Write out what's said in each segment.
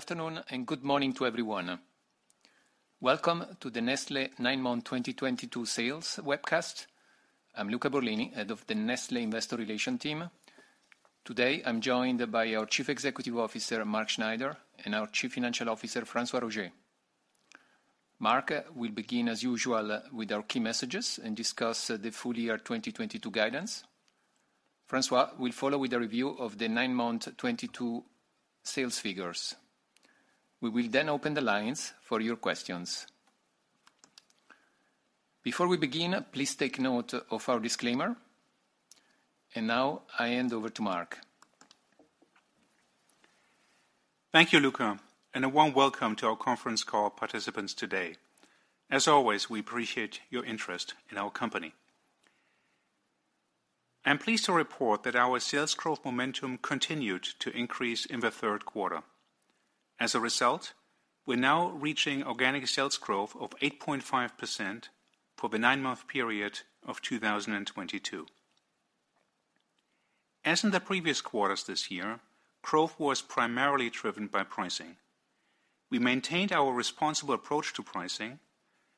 Afternoon and good morning to everyone. Welcome to the Nestlé 9-month 2022 sales webcast. I'm Luca Borlini, head of the Nestlé Investor Relations team. Today, I'm joined by our Chief Executive Officer, Mark Schneider, and our Chief Financial Officer, François-Xavier Roger. Mark will begin as usual with our key messages and discuss the full year 2022 guidance. François will follow with a review of the 9-month 2022 sales figures. We will then open the lines for your questions. Before we begin, please take note of our disclaimer. Now I hand over to Mark. Thank you, Luca, and a warm welcome to our conference call participants today. As always, we appreciate your interest in our company. I'm pleased to report that our sales growth momentum continued to increase in the third quarter. As a result, we're now reaching organic sales growth of 8.5% for the nine-month period of 2022. As in the previous quarters this year, growth was primarily driven by pricing. We maintained our responsible approach to pricing,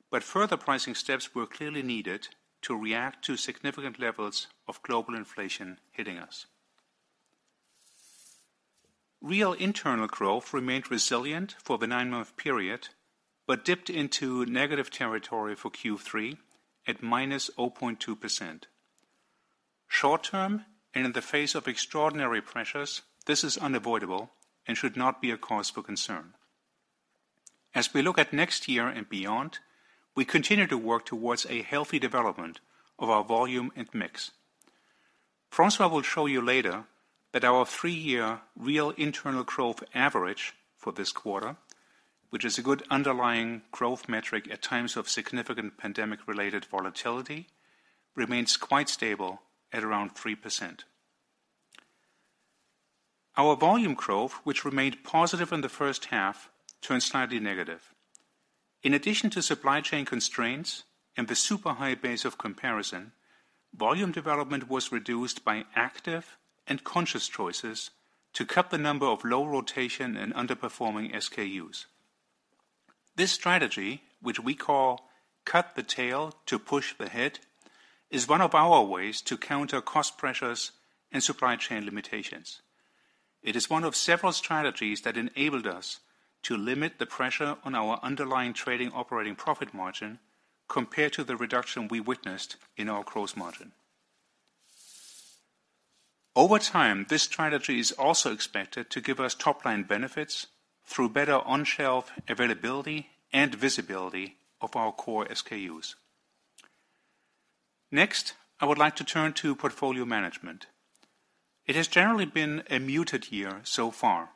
but further pricing steps were clearly needed to react to significant levels of global inflation hitting us. Real internal growth remained resilient for the nine-month period, but dipped into negative territory for Q3 at -0.2%. Short-term, and in the face of extraordinary pressures, this is unavoidable and should not be a cause for concern. As we look at next year and beyond, we continue to work towards a healthy development of our volume and mix. François will show you later that our three-year real internal growth average for this quarter, which is a good underlying growth metric at times of significant pandemic-related volatility, remains quite stable at around 3%. Our volume growth, which remained positive in the first half, turned slightly negative. In addition to supply chain constraints and the super high base of comparison, volume development was reduced by active and conscious choices to cut the number of low rotation and underperforming SKUs. This strategy, which we call cut the tail to push the head, is one of our ways to counter cost pressures and supply chain limitations. It is one of several strategies that enabled us to limit the pressure on our underlying trading operating profit margin compared to the reduction we witnessed in our gross margin. Over time, this strategy is also expected to give us top-line benefits through better on-shelf availability and visibility of our core SKUs. Next, I would like to turn to portfolio management. It has generally been a muted year so far.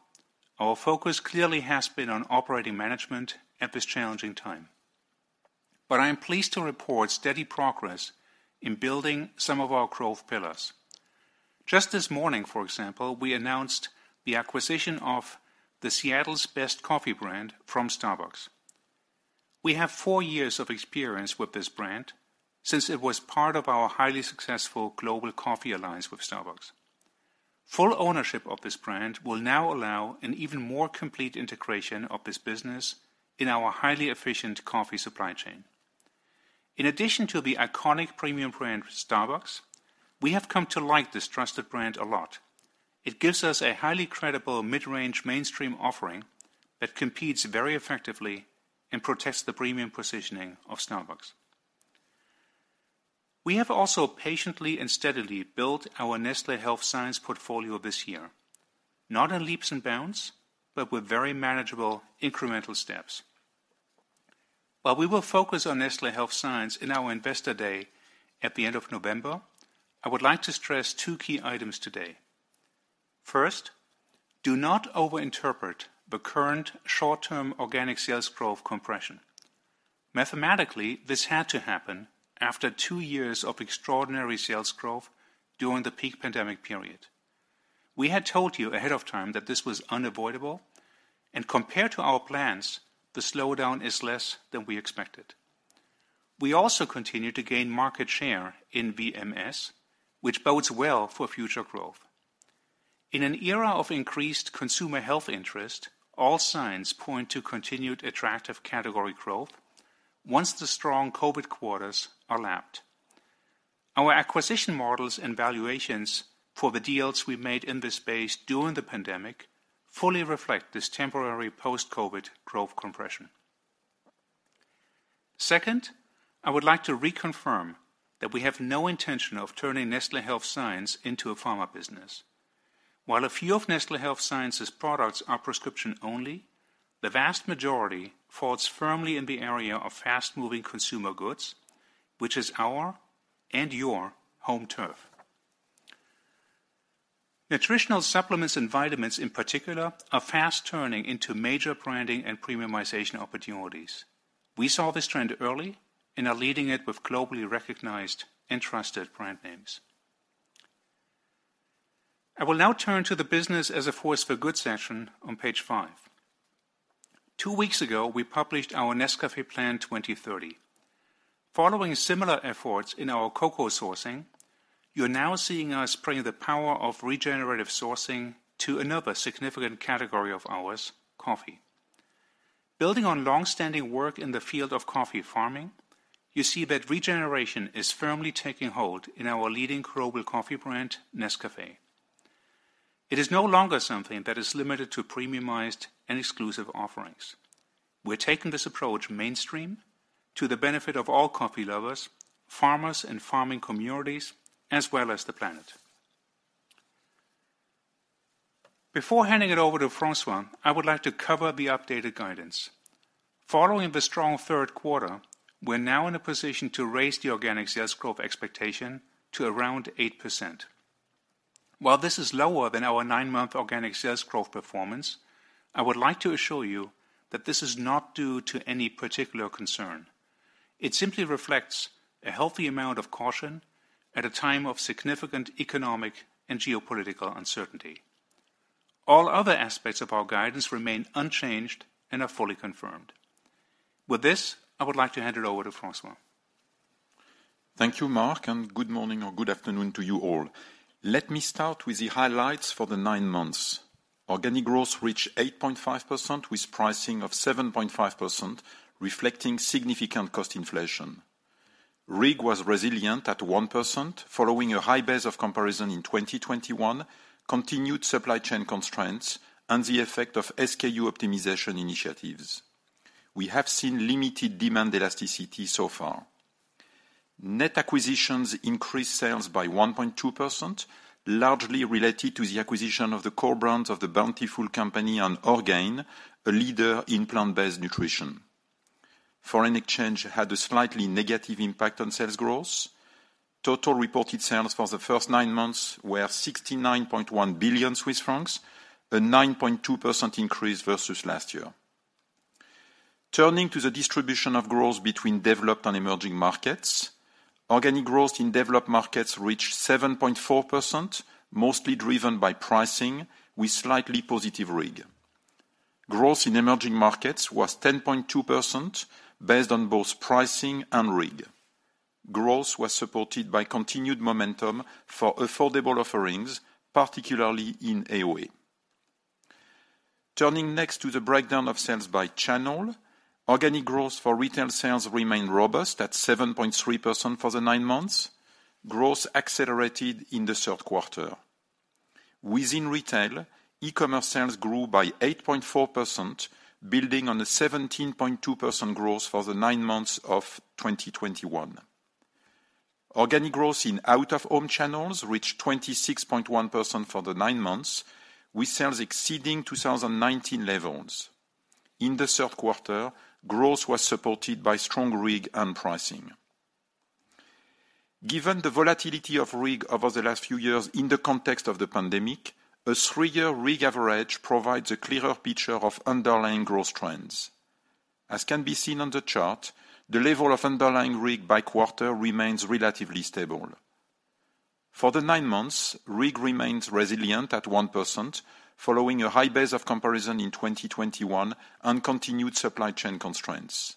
Our focus clearly has been on operating management at this challenging time. I am pleased to report steady progress in building some of our growth pillars. Just this morning, for example, we announced the acquisition of the Seattle's Best Coffee brand from Starbucks. We have four years of experience with this brand since it was part of our highly successful global coffee alliance with Starbucks. Full ownership of this brand will now allow an even more complete integration of this business in our highly efficient coffee supply chain. In addition to the iconic premium brand, Starbucks, we have come to like this trusted brand a lot. It gives us a highly credible mid-range mainstream offering that competes very effectively and protects the premium positioning of Starbucks. We have also patiently and steadily built our Nestlé Health Science portfolio this year, not in leaps and bounds, but with very manageable incremental steps. While we will focus on Nestlé Health Science in our Investor Seminar at the end of November, I would like to stress two key items today. First, do not overinterpret the current short-term organic sales growth compression. Mathematically, this had to happen after two years of extraordinary sales growth during the peak pandemic period. We had told you ahead of time that this was unavoidable, and compared to our plans, the slowdown is less than we expected. We also continue to gain market share in VMS, which bodes well for future growth. In an era of increased consumer health interest, all signs point to continued attractive category growth once the strong COVID quarters are lapped. Our acquisition models and valuations for the deals we made in this space during the pandemic fully reflect this temporary post-COVID growth compression. Second, I would like to reconfirm that we have no intention of turning Nestlé Health Science into a pharma business. While a few of Nestlé Health Science's products are prescription only, the vast majority falls firmly in the area of fast-moving consumer goods, which is our, and your, home turf. Nutritional supplements and vitamins, in particular, are fast turning into major branding and premiumization opportunities. We saw this trend early and are leading it with globally recognized and trusted brand names. I will now turn to the business as a force for good section on page five. Two weeks ago, we published our Nescafé Plan 2030. Following similar efforts in our cocoa sourcing, you're now seeing us bring the power of regenerative sourcing to another significant category of ours, coffee. Building on long-standing work in the field of coffee farming, you see that regeneration is firmly taking hold in our leading global coffee brand, Nescafé. It is no longer something that is limited to premiumized and exclusive offerings. We're taking this approach mainstream to the benefit of all coffee lovers, farmers, and farming communities, as well as the planet. Before handing it over to François, I would like to cover the updated guidance. Following the strong third quarter, we're now in a position to raise the organic sales growth expectation to around 8%. While this is lower than our nine-month organic sales growth performance, I would like to assure you that this is not due to any particular concern. It simply reflects a healthy amount of caution at a time of significant economic and geopolitical uncertainty. All other aspects of our guidance remain unchanged and are fully confirmed. With this, I would like to hand it over to François. Thank you, Mark, and good morning or good afternoon to you all. Let me start with the highlights for the nine months. Organic growth reached 8.5% with pricing of 7.5%, reflecting significant cost inflation. RIG was resilient at 1% following a high base of comparison in 2021, continued supply chain constraints, and the effect of SKU optimization initiatives. We have seen limited demand elasticity so far. Net acquisitions increased sales by 1.2%, largely related to the acquisition of the core brands of The Bountiful Company and Orgain, a leader in plant-based nutrition. Foreign exchange had a slightly negative impact on sales growth. Total reported sales for the first nine months were 69.1 billion Swiss francs, a 9.2% increase versus last year. Turning to the distribution of growth between developed and emerging markets, organic growth in developed markets reached 7.4%, mostly driven by pricing with slightly positive RIG. Growth in emerging markets was 10.2% based on both pricing and RIG. Growth was supported by continued momentum for affordable offerings, particularly in AOA. Turning next to the breakdown of sales by channel, organic growth for retail sales remained robust at 7.3% for the nine months. Growth accelerated in the third quarter. Within retail, e-commerce sales grew by 8.4%, building on a 17.2% growth for the nine months of 2021. Organic growth in out-of-home channels reached 26.1% for the nine months, with sales exceeding 2019 levels. In the third quarter, growth was supported by strong RIG and pricing. Given the volatility of RIG over the last few years in the context of the pandemic, a three-year RIG average provides a clearer picture of underlying growth trends. As can be seen on the chart, the level of underlying RIG by quarter remains relatively stable. For the nine months, RIG remains resilient at 1%, following a high base of comparison in 2021 and continued supply chain constraints.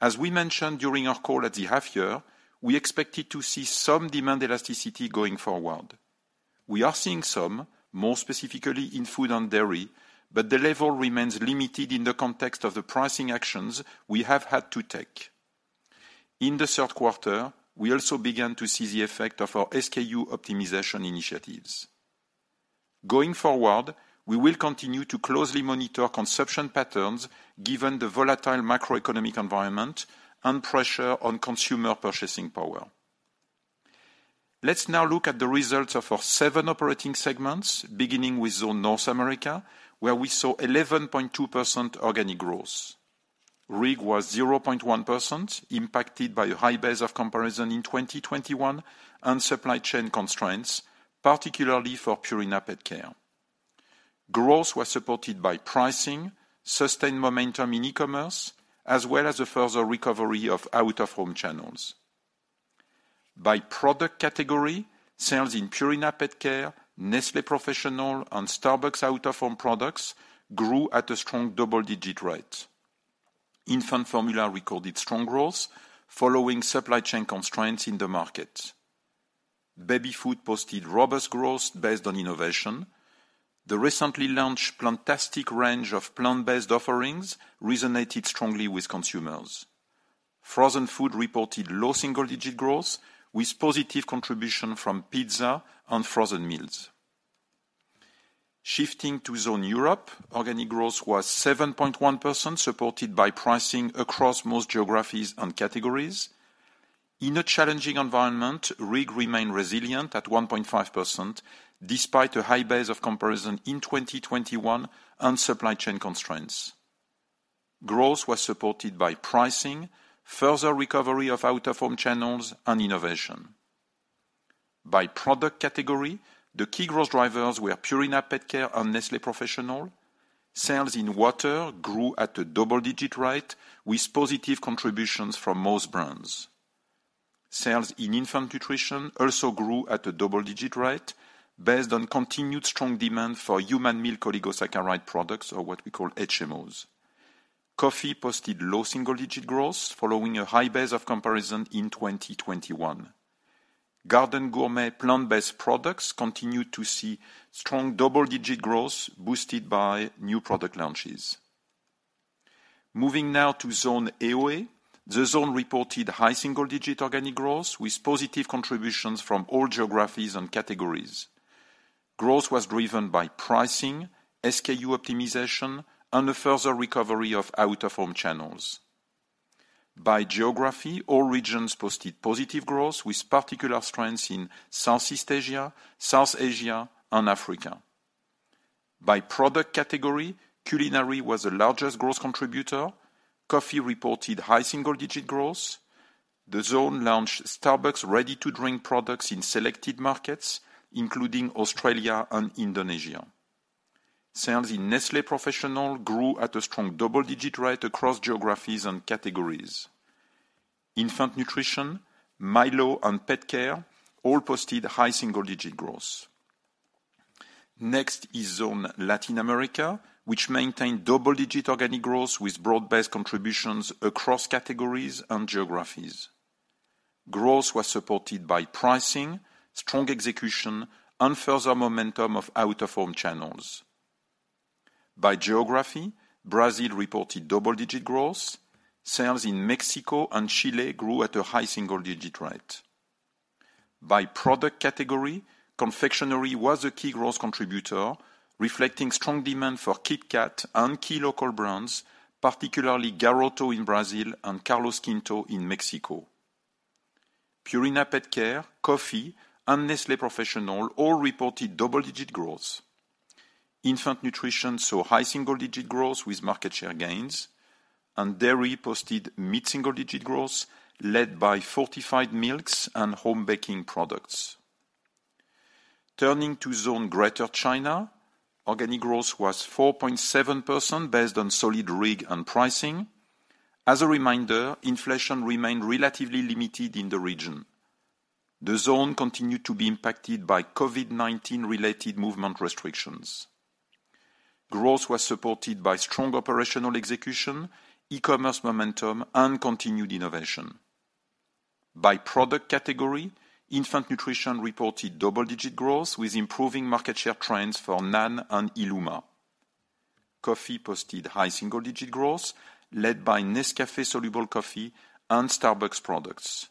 As we mentioned during our call at the half year, we expected to see some demand elasticity going forward. We are seeing some, more specifically in food and dairy, but the level remains limited in the context of the pricing actions we have had to take. In the third quarter, we also began to see the effect of our SKU optimization initiatives. Going forward, we will continue to closely monitor consumption patterns given the volatile macroeconomic environment and pressure on consumer purchasing power. Let's now look at the results of our seven operating segments, beginning with Zone North America, where we saw 11.2% organic growth. RIG was 0.1% impacted by a high base of comparison in 2021 and supply chain constraints, particularly for Purina PetCare. Growth was supported by pricing, sustained momentum in e-commerce, as well as the further recovery of out-of-home channels. By product category, sales in Purina PetCare, Nestlé Professional, and Starbucks out-of-home products grew at a strong double-digit rate. Infant formula recorded strong growth following supply chain constraints in the market. Baby food posted robust growth based on innovation. The recently launched Plant-tastic range of plant-based offerings resonated strongly with consumers. Frozen food reported low single-digit growth with positive contribution from pizza and frozen meals. Shifting to Zone Europe, organic growth was 7.1%, supported by pricing across most geographies and categories. In a challenging environment, RIG remained resilient at 1.5%, despite a high base of comparison in 2021 and supply chain constraints. Growth was supported by pricing, further recovery of out-of-home channels, and innovation. By product category, the key growth drivers were Purina PetCare and Nestlé Professional. Sales in water grew at a double-digit rate with positive contributions from most brands. Sales in infant nutrition also grew at a double-digit rate based on continued strong demand for human milk oligosaccharide products or what we call HMOs. Coffee posted low single-digit growth following a high base of comparison in 2021. Garden Gourmet plant-based products continued to see strong double-digit growth boosted by new product launches. Moving now to Zone AOA. The zone reported high single-digit organic growth with positive contributions from all geographies and categories. Growth was driven by pricing, SKU optimization, and a further recovery of out of home channels. By geography, all regions posted positive growth with particular strengths in Southeast Asia, South Asia, and Africa. By product category, culinary was the largest growth contributor. Coffee reported high single-digit growth. The zone launched Starbucks ready-to-drink products in selected markets, including Australia and Indonesia. Sales in Nestlé Professional grew at a strong double-digit rate across geographies and categories. Infant nutrition, Milo, and pet care all posted high single-digit growth. Next is Zone Latin America, which maintained double-digit organic growth with broad-based contributions across categories and geographies. Growth was supported by pricing, strong execution, and further momentum of out of home channels. By geography, Brazil reported double-digit growth. Sales in Mexico and Chile grew at a high single-digit rate. By product category, confectionery was a key growth contributor, reflecting strong demand for KitKat and key local brands, particularly Garoto in Brazil and Carlos V in Mexico. Purina PetCare, Coffee, and Nestlé Professional all reported double-digit growth. Infant nutrition saw high single-digit growth with market share gains, and dairy posted mid-single digit growth led by fortified milks and home baking products. Turning to Zone Greater China, organic growth was 4.7% based on solid RIG and pricing. As a reminder, inflation remained relatively limited in the region. The zone continued to be impacted by COVID-19 related movement restrictions. Growth was supported by strong operational execution, e-commerce momentum, and continued innovation. By product category, infant nutrition reported double-digit growth with improving market share trends for NAN and Illuma.Coffee posted high single-digit growth led by Nescafé soluble coffee and Starbucks products.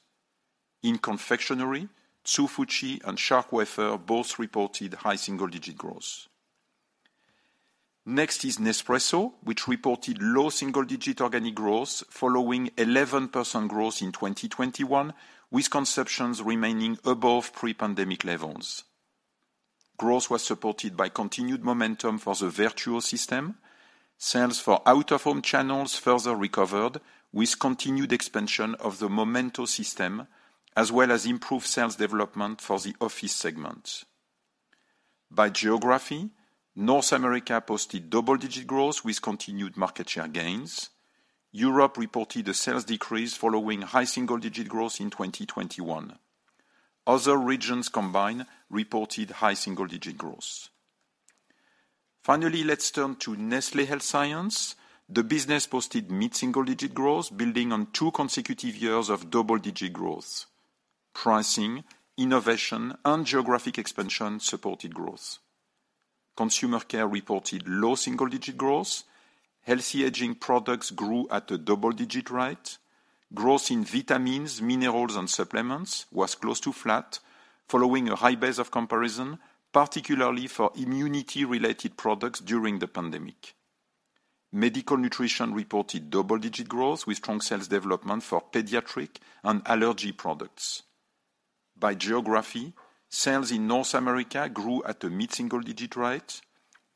In confectionery, Hsu Fu Chi Healthy aging products grew at a double-digit rate. Growth in vitamins, minerals, and supplements was close to flat following a high base of comparison, particularly for immunity-related products during the pandemic. Medical nutrition reported double-digit growth with strong sales development for pediatric and allergy products. By geography, sales in North America grew at a mid-single digit rate.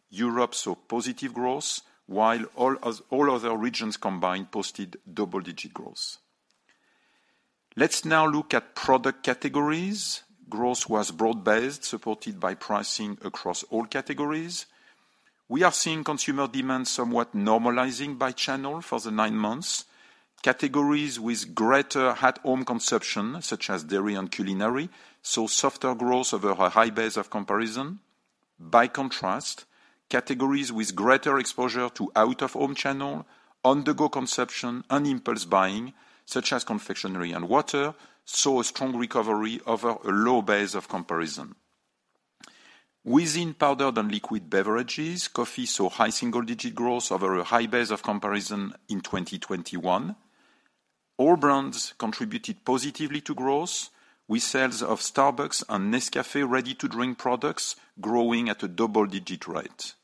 Europe saw positive growth, while all other regions combined posted double-digit growth. Let's now look at product categories. Growth was broad-based, supported by pricing across all categories. We are seeing consumer demand somewhat normalizing by channel for the nine months. Categories with greater at home consumption, such as dairy and culinary, saw softer growth over a high base of comparison. By contrast, categories with greater exposure to out of home channel, on-the-go consumption, and impulse buying, such as confectionery and water, saw a strong recovery over a low base of comparison. Within powdered and liquid beverages, coffee saw high single-digit growth over a high base of comparison in 2021. All brands contributed positively to growth, with sales of Starbucks and Nescafé ready-to-drink products growing at a double-digit rate.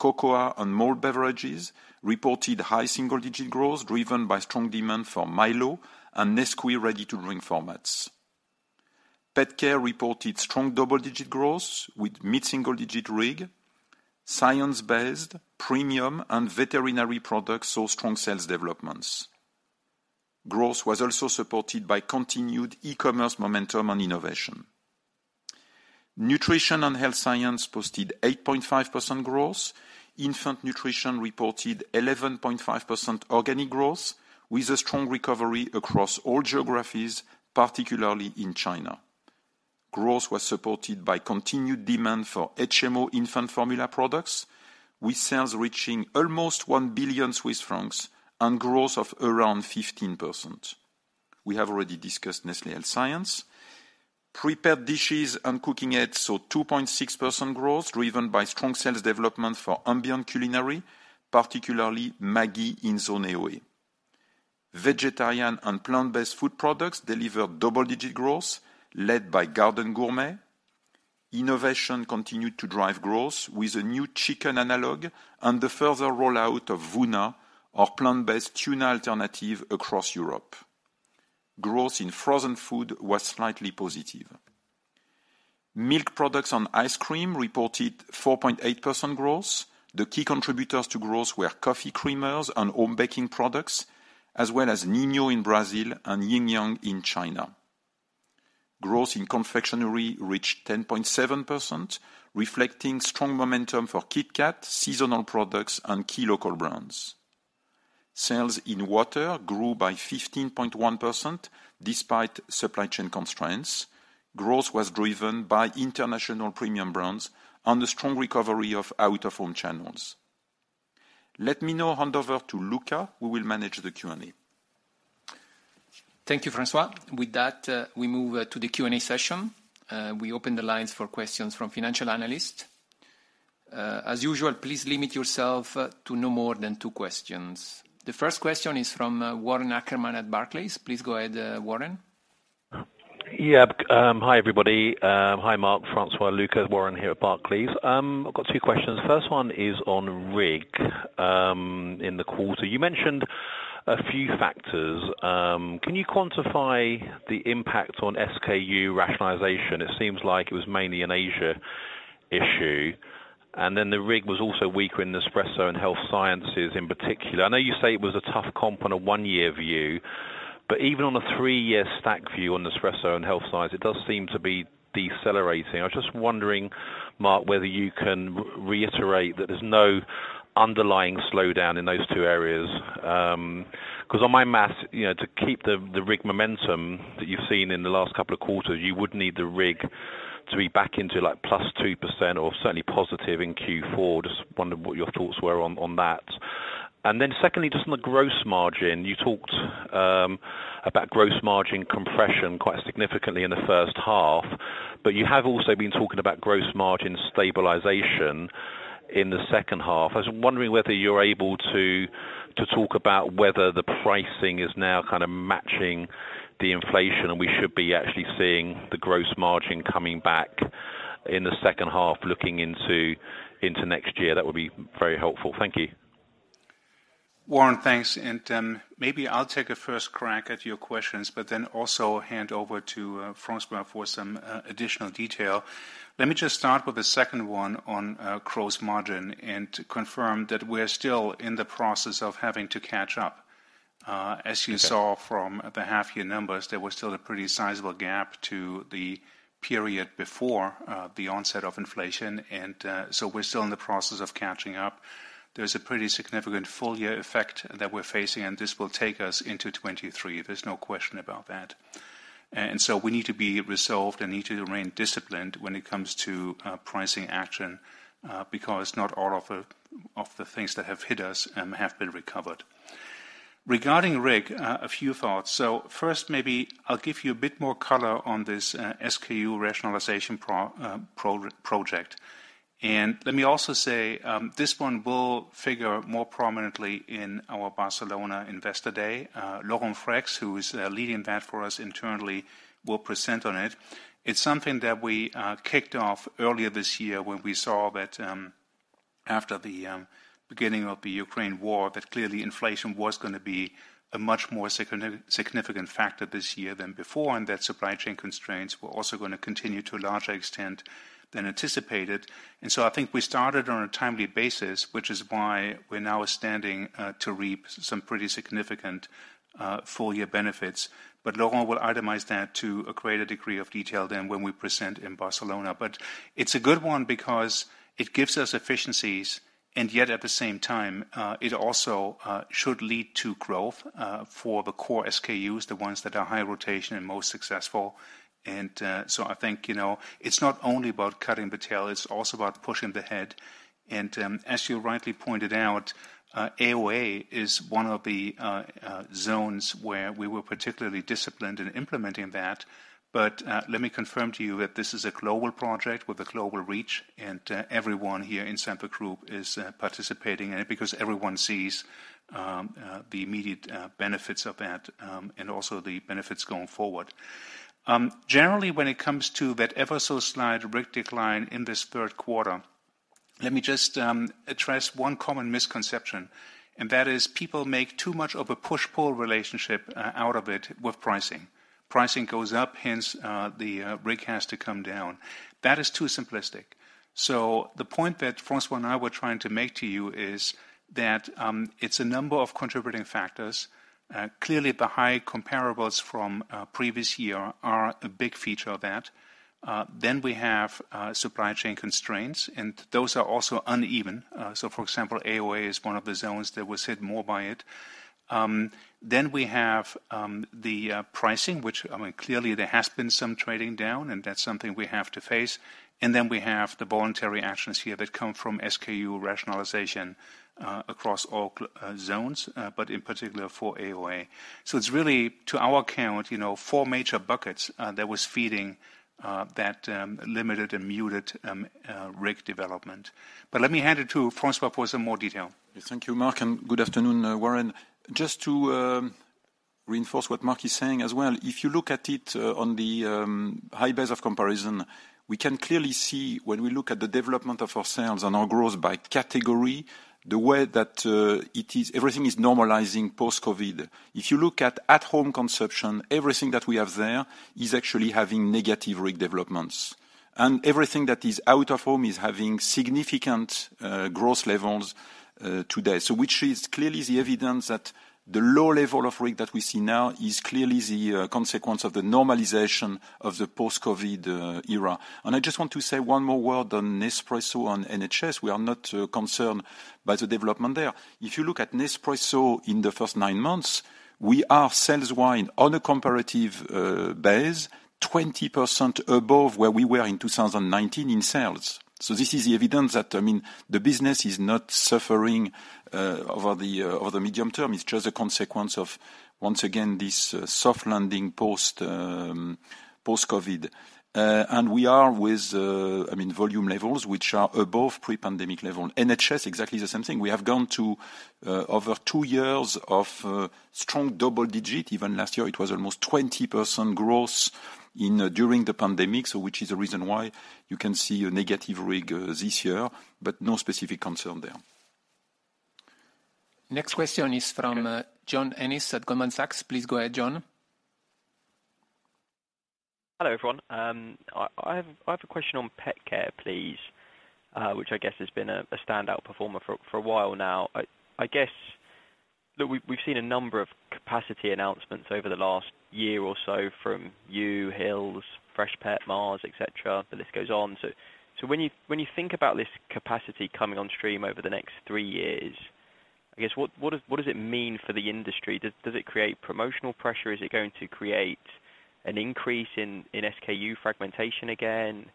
Cocoa and malt beverages reported high single-digit growth, driven by strong demand for Milo and Nesquik ready-to-drink formats. Petcare reported strong double-digit growth with mid-single digit RIG. Science-based, premium, and veterinary products saw strong sales developments. Growth was also supported by continued e-commerce momentum and innovation. Nutrition and health science posted 8.5% growth. Infant nutrition reported 11.5% organic growth with a strong recovery across all geographies, particularly in China. Growth was supported by continued demand for HMO infant formula products, with sales reaching almost 1 billion Swiss francs and growth of around 15%. We have already discussed Nestlé Health Science. Prepared dishes and cooking aids saw 2.6% growth, driven by strong sales development for ambient culinary, particularly Maggi in Zone AOA. Vegetarian and plant-based food products delivered double-digit growth led by Garden Gourmet. Innovation continued to drive growth with a new chicken analog and the further rollout of Vuna, our plant-based tuna alternative across Europe. Growth in frozen food was slightly positive. Milk products and ice cream reported 4.8% growth. The key contributors to growth were coffee creamers and home baking products, as well as Ninho in Brazil and Yinlu in China. Growth in confectionery reached 10.7%, reflecting strong momentum for KitKat, seasonal products and key local brands. Sales in water grew by 15.1% despite supply chain constraints. Growth was driven by international premium brands and the strong recovery of out-of-home channels. Let me now hand over to Luca, who will manage the Q&A. Thank you, François. With that, we move to the Q&A session. We open the lines for questions from financial analysts. As usual, please limit yourself to no more than two questions. The first question is from Warren Ackerman at Barclays. Please go ahead, Warren. Yeah. Hi, everybody. Hi, Mark, François, Luca. Warren Ackerman here at Barclays. I've got two questions. First one is on RIG. In the quarter, you mentioned a few factors. Can you quantify the impact on SKU rationalization? It seems like it was mainly an Asia issue, and then the RIG was also weaker in Nespresso and Health Science in particular. I know you say it was a tough comp on a one-year view, but even on a three-year stack view on Nespresso and Health Science, it does seem to be decelerating. I was just wondering, Mark, whether you can reiterate that there's no underlying slowdown in those two areas. 'Cause on my math, you know, to keep the RIG momentum that you've seen in the last couple of quarters, you would need the RIG to be back into, like, +2% or certainly positive in Q4. Just wondering what your thoughts were on that. Secondly, just on the gross margin, you talked about gross margin compression quite significantly in the first half, but you have also been talking about gross margin stabilization in the second half. I was wondering whether you're able to talk about whether the pricing is now kind of matching the inflation and we should be actually seeing the gross margin coming back in the second half looking into next year. That would be very helpful. Thank you. Warren, thanks. Maybe I'll take a first crack at your questions, but then also hand over to François for some additional detail. Let me just start with the second one on gross margin and confirm that we're still in the process of having to catch up. Okay. As you saw from the half-year numbers, there was still a pretty sizable gap to the period before the onset of inflation, and so we're still in the process of catching up. There's a pretty significant full-year effect that we're facing, and this will take us into 2023. There's no question about that. We need to be resolved and need to remain disciplined when it comes to pricing action, because not all of the things that have hit us have been recovered. Regarding RIG, a few thoughts. First, maybe I'll give you a bit more color on this SKU rationalization pro-project. Let me also say, this one will figure more prominently in our Barcelona Investor Seminar. Laurent Freixe, who is leading that for us internally, will present on it. It's something that we kicked off earlier this year when we saw that, after the beginning of the Ukraine war, that clearly inflation was gonna be a much more significant factor this year than before, and that supply chain constraints were also gonna continue to a larger extent than anticipated. I think we started on a timely basis, which is why we're now standing to reap some pretty significant full year benefits. Laurent will itemize that to a greater degree of detail than when we present in Barcelona. It's a good one because it gives us efficiencies, and yet at the same time, it also should lead to growth for the core SKUs, the ones that are high rotation and most successful. I think, you know, it's not only about cutting the tail, it's also about pushing the head. As you rightly pointed out, AOA is one of the zones where we were particularly disciplined in implementing that. Let me confirm to you that this is a global project with a global reach, and everyone here in Central Group is participating in it because everyone sees the immediate benefits of that, and also the benefits going forward. Generally, when it comes to that ever so slight RIG decline in this third quarter, let me just address one common misconception, and that is people make too much of a push-pull relationship out of it with pricing. Pricing goes up, hence, the RIG has to come down. That is too simplistic. The point that François and I were trying to make to you is that, it's a number of contributing factors. Clearly, the high comparables from previous year are a big feature of that. We have supply chain constraints, and those are also uneven. For example, AOA is one of the zones that was hit more by it. We have the pricing, which, I mean, clearly there has been some trading down, and that's something we have to face. We have the voluntary actions here that come from SKU rationalization across all zones, but in particular for AOA. It's really, to our count, you know, four major buckets that was feeding that limited and muted RIG development. Let me hand it to François for some more detail. Thank you, Mark, and good afternoon, Warren. Just to reinforce what Mark is saying as well, if you look at it on the high base of comparison, we can clearly see when we look at the development of our sales and our growth by category, the way that it is everything is normalizing post-COVID. If you look at home consumption, everything that we have there is actually having negative RIG developments. Everything that is out of home is having significant growth levels today. Which is clearly the evidence that the low level of RIG that we see now is clearly the consequence of the normalization of the post-COVID era. I just want to say one more word on Nespresso and NHS. We are not concerned by the development there. If you look at Nespresso in the first nine months, we are sales-wise on a comparative base, 20% above where we were in 2019 in sales. This is the evidence that, I mean, the business is not suffering over the medium term. It's just a consequence of, once again, this soft landing post-COVID. We are with, I mean, volume levels, which are above pre-pandemic level. NHS, exactly the same thing. We have gone to over two years of strong double-digit. Even last year, it was almost 20% growth during the pandemic. Which is the reason why you can see a negative RIG this year, but no specific concern there. Next question is from John Ennis at Goldman Sachs. Please go ahead, John. Hello, everyone. I have a question on pet care, please, which I guess has been a standout performer for a while now. I guess that we've seen a number of capacity announcements over the last year or so from you, Hill's, Freshpet, Mars, et cetera, the list goes on. When you think about this capacity coming on stream over the next three years, I guess what does it mean for the industry? Does it create promotional pressure? Is it going to create an increase in SKU fragmentation again?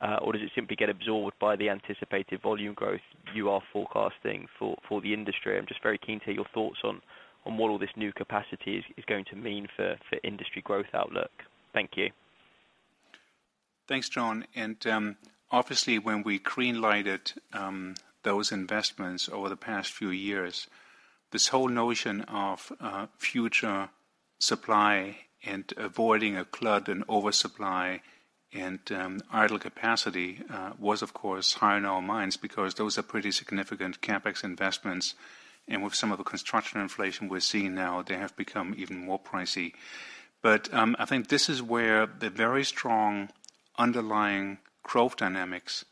Or does it simply get absorbed by the anticipated volume growth you are forecasting for the industry? I'm just very keen to hear your thoughts on what all this new capacity is going to mean for industry growth outlook. Thank you. Thanks, John. Obviously when we green lighted those investments over the past few years, this whole notion of future supply and avoiding a flood and oversupply and idle capacity was of course high in our minds because those are pretty significant CapEx investments. With some of the construction inflation we're seeing now, they have become even more pricey. I think this is where the very strong underlying growth dynamics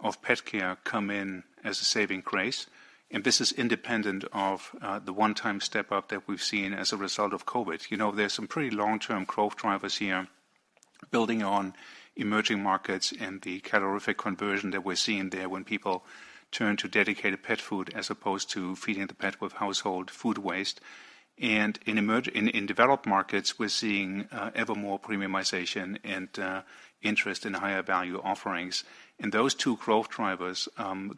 of pet care come in as a saving grace. This is independent of the one-time step-up that we've seen as a result of COVID. You know, there's some pretty long-term growth drivers here building on emerging markets and the calorific conversion that we're seeing there when people turn to dedicated pet food as opposed to feeding the pet with household food waste. In developed markets, we're seeing ever more premiumization and interest in higher value offerings. Those two growth drivers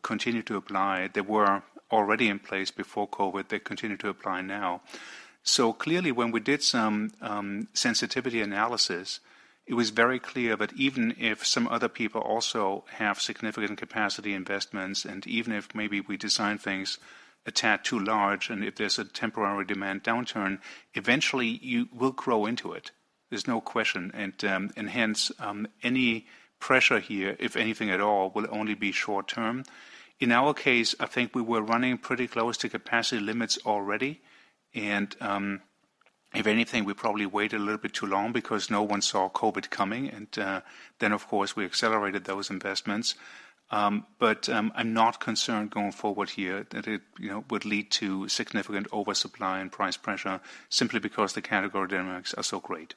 continue to apply. They were already in place before COVID. They continue to apply now. Clearly, when we did some sensitivity analysis, it was very clear that even if some other people also have significant capacity investments, and even if maybe we design things a tad too large, and if there's a temporary demand downturn, eventually you will grow into it. There's no question. Hence, any pressure here, if anything at all, will only be short-term. In our case, I think we were running pretty close to capacity limits already, and if anything, we probably waited a little bit too long because no one saw COVID coming. Of course, we accelerated those investments. I'm not concerned going forward here that it, you know, would lead to significant oversupply and price pressure simply because the category dynamics are so great.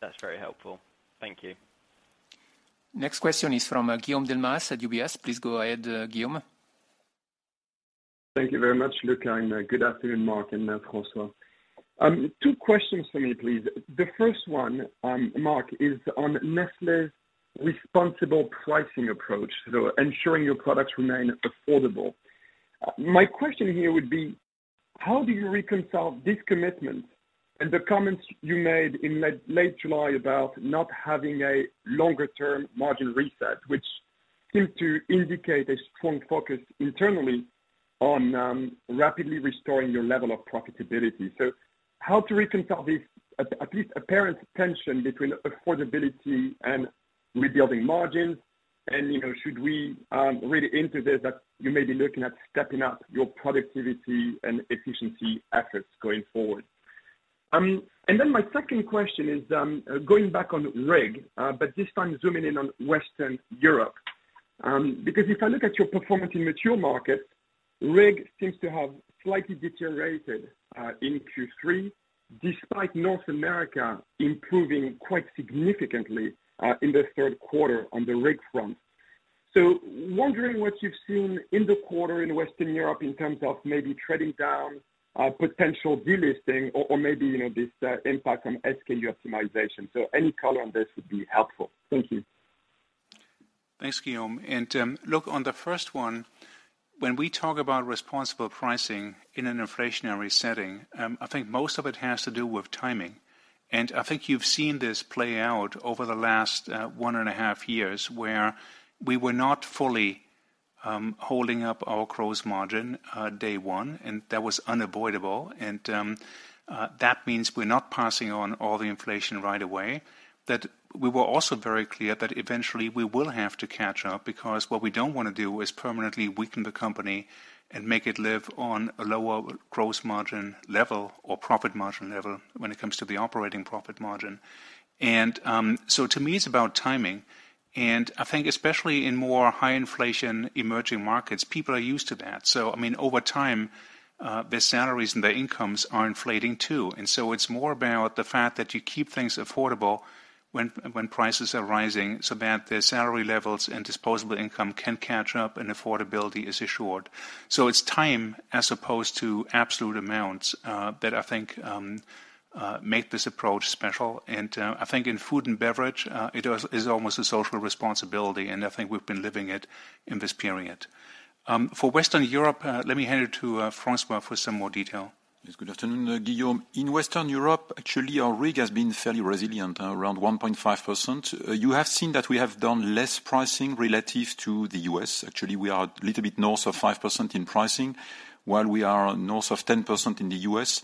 That's very helpful. Thank you. Next question is from Guillaume Delmas at UBS. Please go ahead, Guillaume. Thank you very much, Luca. Good afternoon, Mark and François. Two questions for me, please. The first one, Mark, is on Nestlé's responsible pricing approach, so ensuring your products remain affordable. My question here would be: How do you reconcile this commitment and the comments you made in late July about not having a longer term margin reset, which seemed to indicate a strong focus internally on rapidly restoring your level of profitability? How to reconcile this at least apparent tension between affordability and rebuilding margins? You know, should we read into this that you may be looking at stepping up your productivity and efficiency efforts going forward? My second question is, going back on RIG, but this time zooming in on Western Europe. Because if I look at your performance in mature markets, RIG seems to have slightly deteriorated in Q3, despite North America improving quite significantly in the third quarter on the RIG front. Wondering what you've seen in the quarter in Western Europe in terms of maybe trading down, potential delisting or maybe, you know, this impact on SKU optimization. Any color on this would be helpful. Thank you. Thanks, Guillaume. Look on the first one, when we talk about responsible pricing in an inflationary setting, I think most of it has to do with timing. I think you've seen this play out over the last 1.5 years, where we were not fully holding up our gross margin day one, and that was unavoidable. That means we're not passing on all the inflation right away, that we were also very clear that eventually we will have to catch up because what we don't wanna do is permanently weaken the company and make it live on a lower gross margin level or profit margin level when it comes to the operating profit margin. To me, it's about timing. I think especially in more high inflation emerging markets, people are used to that. I mean, over time, their salaries and their incomes are inflating too. It's more about the fact that you keep things affordable when prices are rising, so that their salary levels and disposable income can catch up and affordability is assured. It's time as opposed to absolute amounts that I think make this approach special. I think in food and beverage, it is almost a social responsibility, and I think we've been living it in this period. For Western Europe, let me hand it to François for some more detail. Yes. Good afternoon, Guillaume. In Western Europe, actually, our RIG has been fairly resilient, around 1.5%. You have seen that we have done less pricing relative to the U.S. Actually, we are a little bit north of 5% in pricing, while we are north of 10% in the U.S.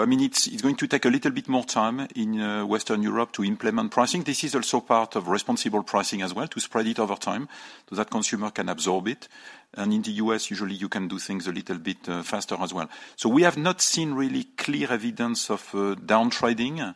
I mean, it's going to take a little bit more time in Western Europe to implement pricing. This is also part of responsible pricing as well, to spread it over time so that consumer can absorb it. In the U.S., usually you can do things a little bit faster as well. We have not seen really clear evidence of downtrading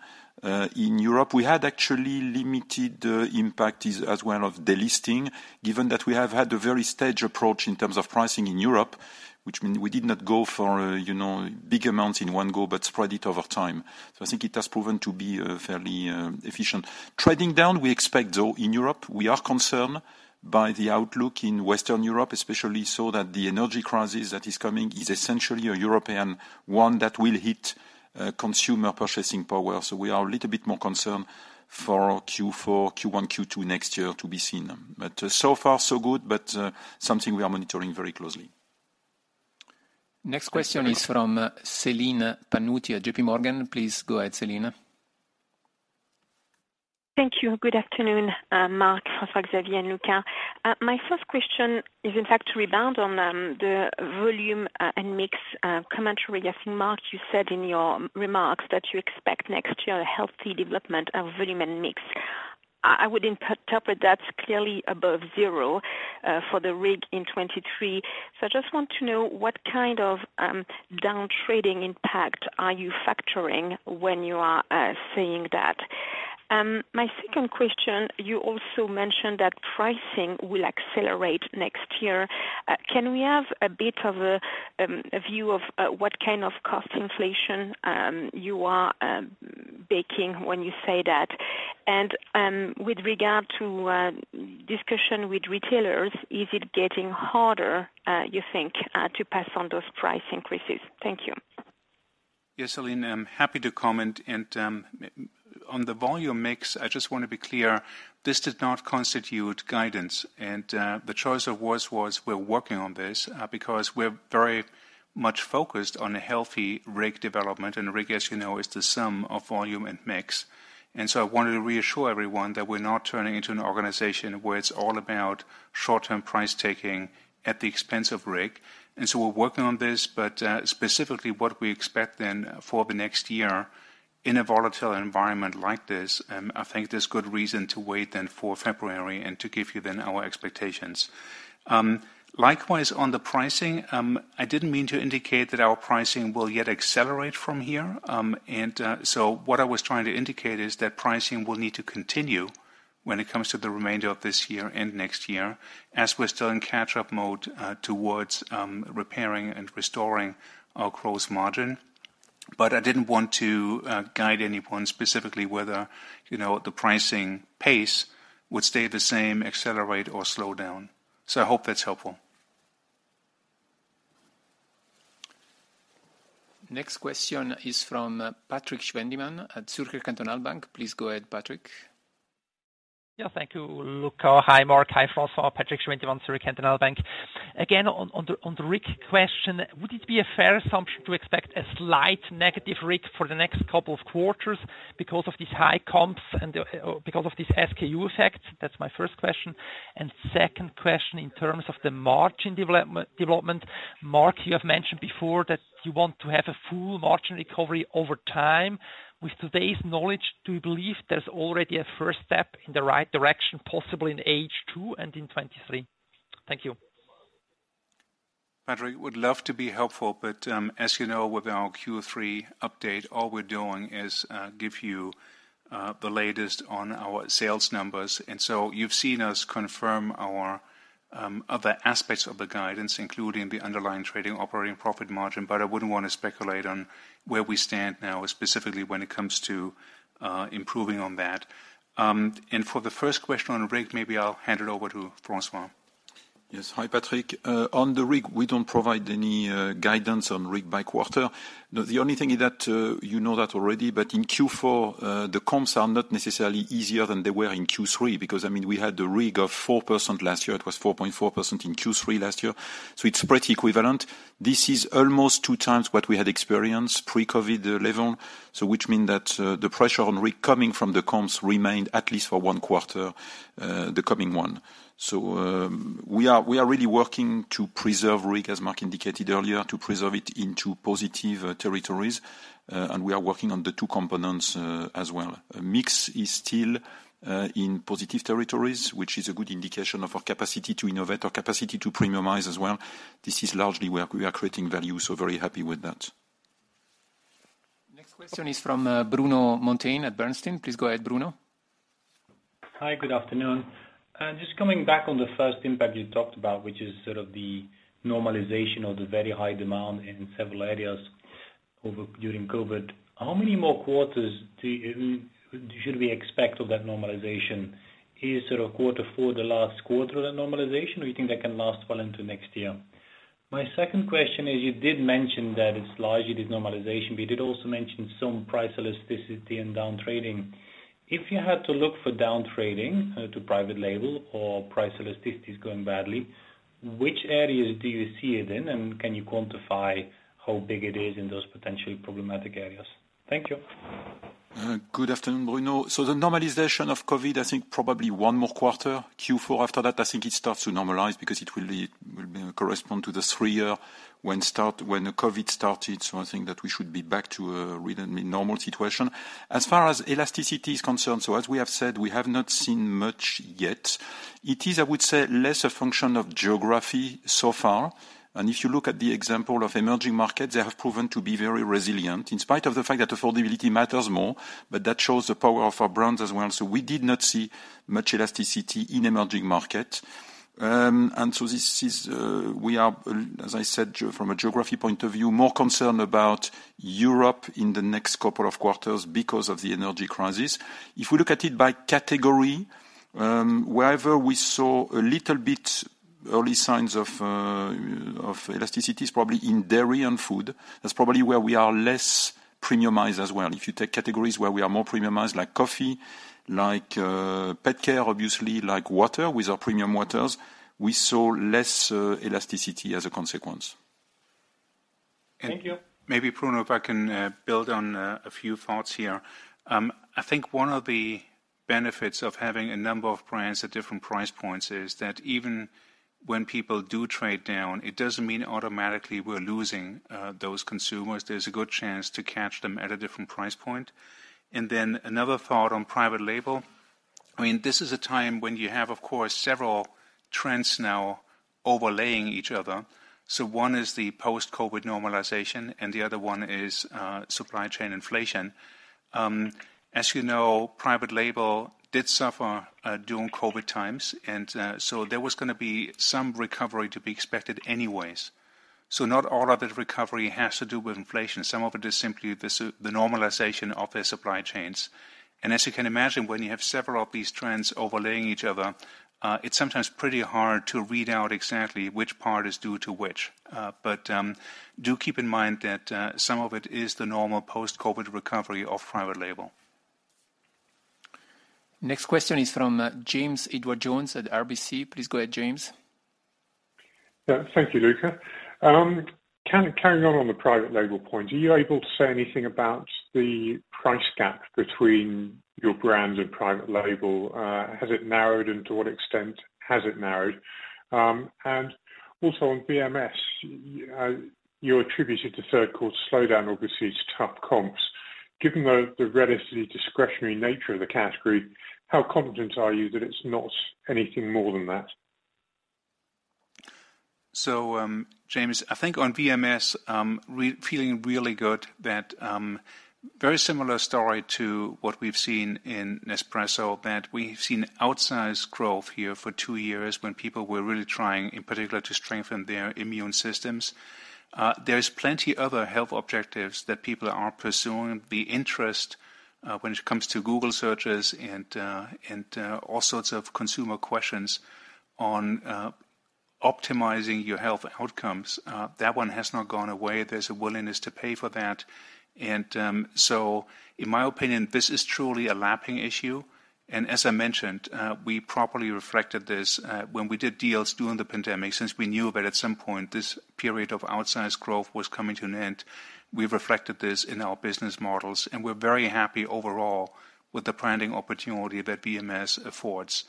in Europe. We had actually limited impact as well of delisting, given that we have had a very staged approach in terms of pricing in Europe, which mean we did not go for, you know, big amounts in one go, but spread it over time. I think it has proven to be fairly efficient. Trading down, we expect, though, in Europe. We are concerned by the outlook in Western Europe, especially so that the energy crisis that is coming is essentially a European one that will hit consumer purchasing power. We are a little bit more concerned for Q4, Q1, Q2 next year to be seen. So far so good, but something we are monitoring very closely. Next question is from Celine Pannuti at JPMorgan. Please go ahead, Celine. Thank you. Good afternoon, Mark, François-Xavier, and Luca. My first question is in fact to rebound on the volume and mix commentary. I think, Mark, you said in your remarks that you expect next year a healthy development of volume and mix. I would interpret that's clearly above zero for the RIG in 2023. I just want to know what kind of down trading impact are you factoring when you are saying that? My second question, you also mentioned that pricing will accelerate next year. Can we have a bit of a view of what kind of cost inflation you are baking when you say that? With regard to discussion with retailers, is it getting harder you think to pass on those price increases? Thank you. Yes, Celine, I'm happy to comment. On the volume mix, I just wanna be clear, this does not constitute guidance. The choice of words was we're working on this because we're very much focused on a healthy RIG development. RIG, as you know, is the sum of volume and mix. I wanted to reassure everyone that we're not turning into an organization where it's all about short-term price taking at the expense of RIG. We're working on this, but specifically what we expect then for the next year in a volatile environment like this, I think there's good reason to wait then for February and to give you then our expectations. Likewise on the pricing, I didn't mean to indicate that our pricing will yet accelerate from here. What I was trying to indicate is that pricing will need to continue when it comes to the remainder of this year and next year, as we're still in catch-up mode towards repairing and restoring our gross margin. I didn't want to guide anyone specifically whether, you know, the pricing pace would stay the same, accelerate, or slow down. I hope that's helpful. Next question is from Patrik Schwendimann at Zürcher Kantonalbank. Please go ahead, Patrick. Yeah. Thank you, Luca. Hi, Mark. Hi, François. Patrik Schwendimann, Zürcher Kantonalbank. Again, on the RIG question, would it be a fair assumption to expect a slight negative RIG for the next couple of quarters because of these high comps and because of these SKU effects? That's my first question. Second question, in terms of the margin development, Mark, you have mentioned before that you want to have a full margin recovery over time. With today's knowledge, do you believe there's already a first step in the right direction, possibly in H2 and in 2023? Thank you. Patrik, would love to be helpful, but, as you know, with our Q3 update, all we're doing is give you the latest on our sales numbers. You've seen us confirm our other aspects of the guidance, including the underlying trading operating profit margin, but I wouldn't wanna speculate on where we stand now, specifically when it comes to improving on that. For the first question on RIG, maybe I'll hand it over to François. Yes. Hi, Patrik Schwendimann. On the RIG, we don't provide any guidance on RIG by quarter. The only thing is that you know that already, but in Q4 the comps are not necessarily easier than they were in Q3. I mean, we had the RIG of 4% last year. It was 4.4% in Q3 last year, so it's pretty equivalent. This is almost 2 times what we had experienced pre-COVID level, so which mean that the pressure on RIG coming from the comps remained at least for 1 quarter, the coming one. We are really working to preserve RIG, as Mark Schneider indicated earlier, to preserve it into positive territories. We are working on the two components as well. A mix is still in positive territories, which is a good indication of our capacity to innovate, our capacity to premiumize as well. This is largely where we are creating value, so very happy with that. Next question is from, Bruno Monteyne at Bernstein. Please go ahead, Bruno. Hi, good afternoon. Just coming back on the first impact you talked about, which is sort of the normalization of the very high demand in several areas over, during COVID. How many more quarters should we expect of that normalization? Is sort of quarter four the last quarter of the normalization, or you think that can last well into next year? My second question is, you did mention that it's largely this normalization, but you did also mention some price elasticity and down trading. If you had to look for down trading to private label or price elasticity is going badly, which areas do you see it in, and can you quantify how big it is in those potentially problematic areas? Thank you. Good afternoon, Bruno. The normalization of COVID, I think probably one more quarter. Q4 after that, I think it starts to normalize because it will correspond to the three year when the COVID started. I think that we should be back to a really normal situation. As far as elasticity is concerned, as we have said, we have not seen much yet. It is, I would say, less a function of geography so far. If you look at the example of emerging markets, they have proven to be very resilient, in spite of the fact that affordability matters more, but that shows the power of our brands as well. We did not see much elasticity in emerging market. We are, as I said, from a geography point of view, more concerned about Europe in the next couple of quarters because of the energy crisis. If we look at it by category, wherever we saw a little bit early signs of elasticity is probably in dairy and food. That's probably where we are less premiumized as well. If you take categories where we are more premiumized, like coffee, like pet care, obviously, like water, with our premium waters, we saw less elasticity as a consequence. Thank you. Maybe, Bruno, if I can, build on a few thoughts here. I think one of the benefits of having a number of brands at different price points is that even when people do trade down, it doesn't mean automatically we're losing those consumers. There's a good chance to catch them at a different price point. Then another thought on private label. I mean, this is a time when you have, of course, several trends now overlaying each other. One is the post-COVID normalization, and the other one is supply chain inflation. As you know, private label did suffer during COVID times. So there was gonna be some recovery to be expected anyways. Not all of the recovery has to do with inflation. Some of it is simply the normalization of their supply chains. As you can imagine, when you have several of these trends overlaying each other, it's sometimes pretty hard to read out exactly which part is due to which. Do keep in mind that some of it is the normal post-COVID recovery of private label. Next question is from James Edwardes Jones at RBC. Please go ahead, James. Yeah. Thank you, Luca. Kind of carrying on the private label point, are you able to say anything about the price gap between your brands and private label? Has it narrowed, and to what extent has it narrowed? Also on VMS, you attributed the third quarter slowdown obviously to tough comps. Given the relatively discretionary nature of the category, how confident are you that it's not anything more than that? James, I think on VMS, feeling really good that very similar story to what we've seen in Nespresso, that we've seen outsized growth here for two years when people were really trying, in particular, to strengthen their immune systems. There's plenty other health objectives that people are pursuing. The interest, when it comes to Google searches and all sorts of consumer questions on optimizing your health outcomes, that one has not gone away. There's a willingness to pay for that. In my opinion, this is truly a lapping issue. As I mentioned, we properly reflected this when we did deals during the pandemic, since we knew that at some point, this period of outsized growth was coming to an end. We reflected this in our business models, and we're very happy overall with the branding opportunity that VMS affords.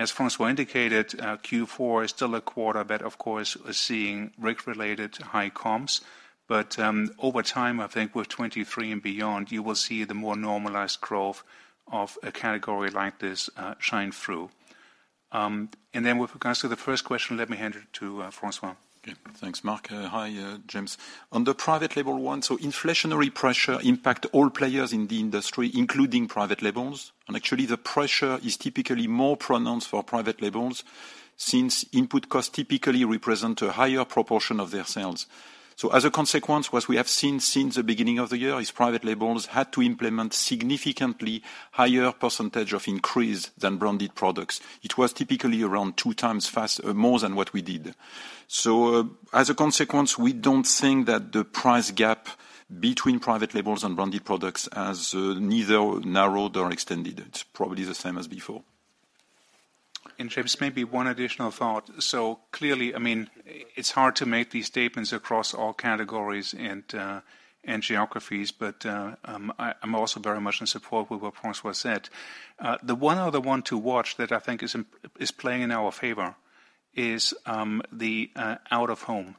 As François indicated, Q4 is still a quarter that, of course, is seeing RIG-related high comps. Over time, I think with 2023 and beyond, you will see the more normalized growth of a category like this shine through. With regards to the first question, let me hand it to François. Okay. Thanks, Mark. Hi, James. On the private label one, inflationary pressure impact all players in the industry, including private labels. Actually, the pressure is typically more pronounced for private labels since input costs typically represent a higher proportion of their sales. As a consequence, what we have seen since the beginning of the year is private labels had to implement significantly higher percentage of increase than branded products. It was typically around two times fast, more than what we did. As a consequence, we don't think that the price gap between private labels and branded products has neither narrowed or extended. It's probably the same as before. James, maybe one additional thought. Clearly, I mean, it's hard to make these statements across all categories and geographies, but, I'm also very much in support with what François said. The one other one to watch that I think is playing in our favor is the out of home,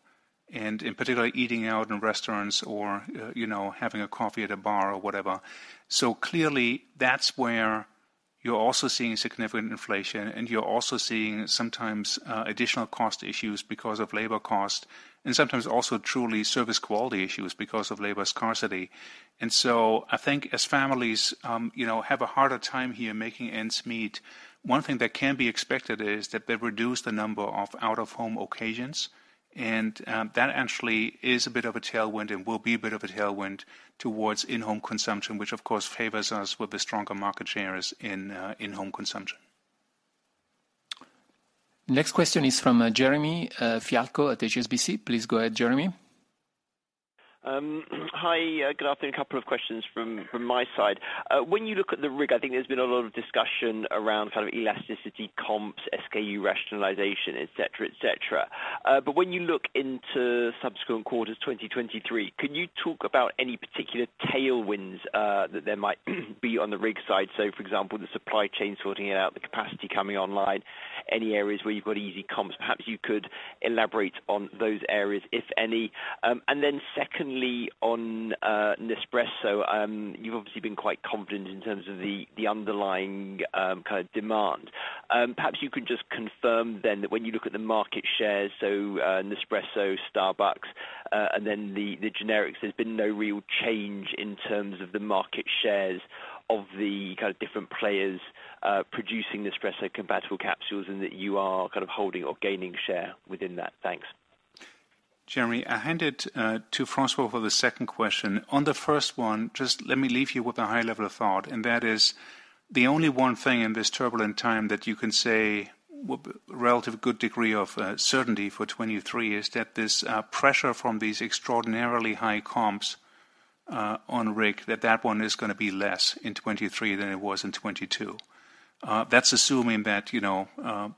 and in particular, eating out in restaurants or, you know, having a coffee at a bar or whatever. Clearly, that's where you're also seeing significant inflation, and you're also seeing sometimes additional cost issues because of labor cost, and sometimes also truly service quality issues because of labor scarcity. I think as families, you know, have a harder time here making ends meet, one thing that can be expected is that they reduce the number of out of home occasions, and that actually is a bit of a tailwind and will be a bit of a tailwind towards in-home consumption, which of course favors us with the stronger market shares in in home consumption. Next question is from Jeremy Fialko at HSBC. Please go ahead, Jeremy. Hi. Good afternoon. A couple of questions from my side. When you look at the RIG, I think there's been a lot of discussion around kind of elasticity comps, SKU rationalization, et cetera, et cetera. When you look into subsequent quarters 2023, can you talk about any particular tailwinds that there might be on the RIG side? For example, the supply chain sorting it out, the capacity coming online, any areas where you've got easy comps. Perhaps you could elaborate on those areas, if any. Secondly, on Nespresso, you've obviously been quite confident in terms of the underlying kind of demand. Perhaps you could just confirm then that when you look at the market shares, Nespresso, Starbucks, and then the generics, there's been no real change in terms of the market shares of the kind of different players producing Nespresso compatible capsules and that you are kind of holding or gaining share within that. Thanks. Jeremy, I hand it to François for the second question. On the first one, just let me leave you with a high level of thought, and that is the only one thing in this turbulent time that you can say relative good degree of certainty for 2023 is that this pressure from these extraordinarily high comps on RIG, that one is gonna be less in 2023 than it was in 2022. That's assuming that, you know,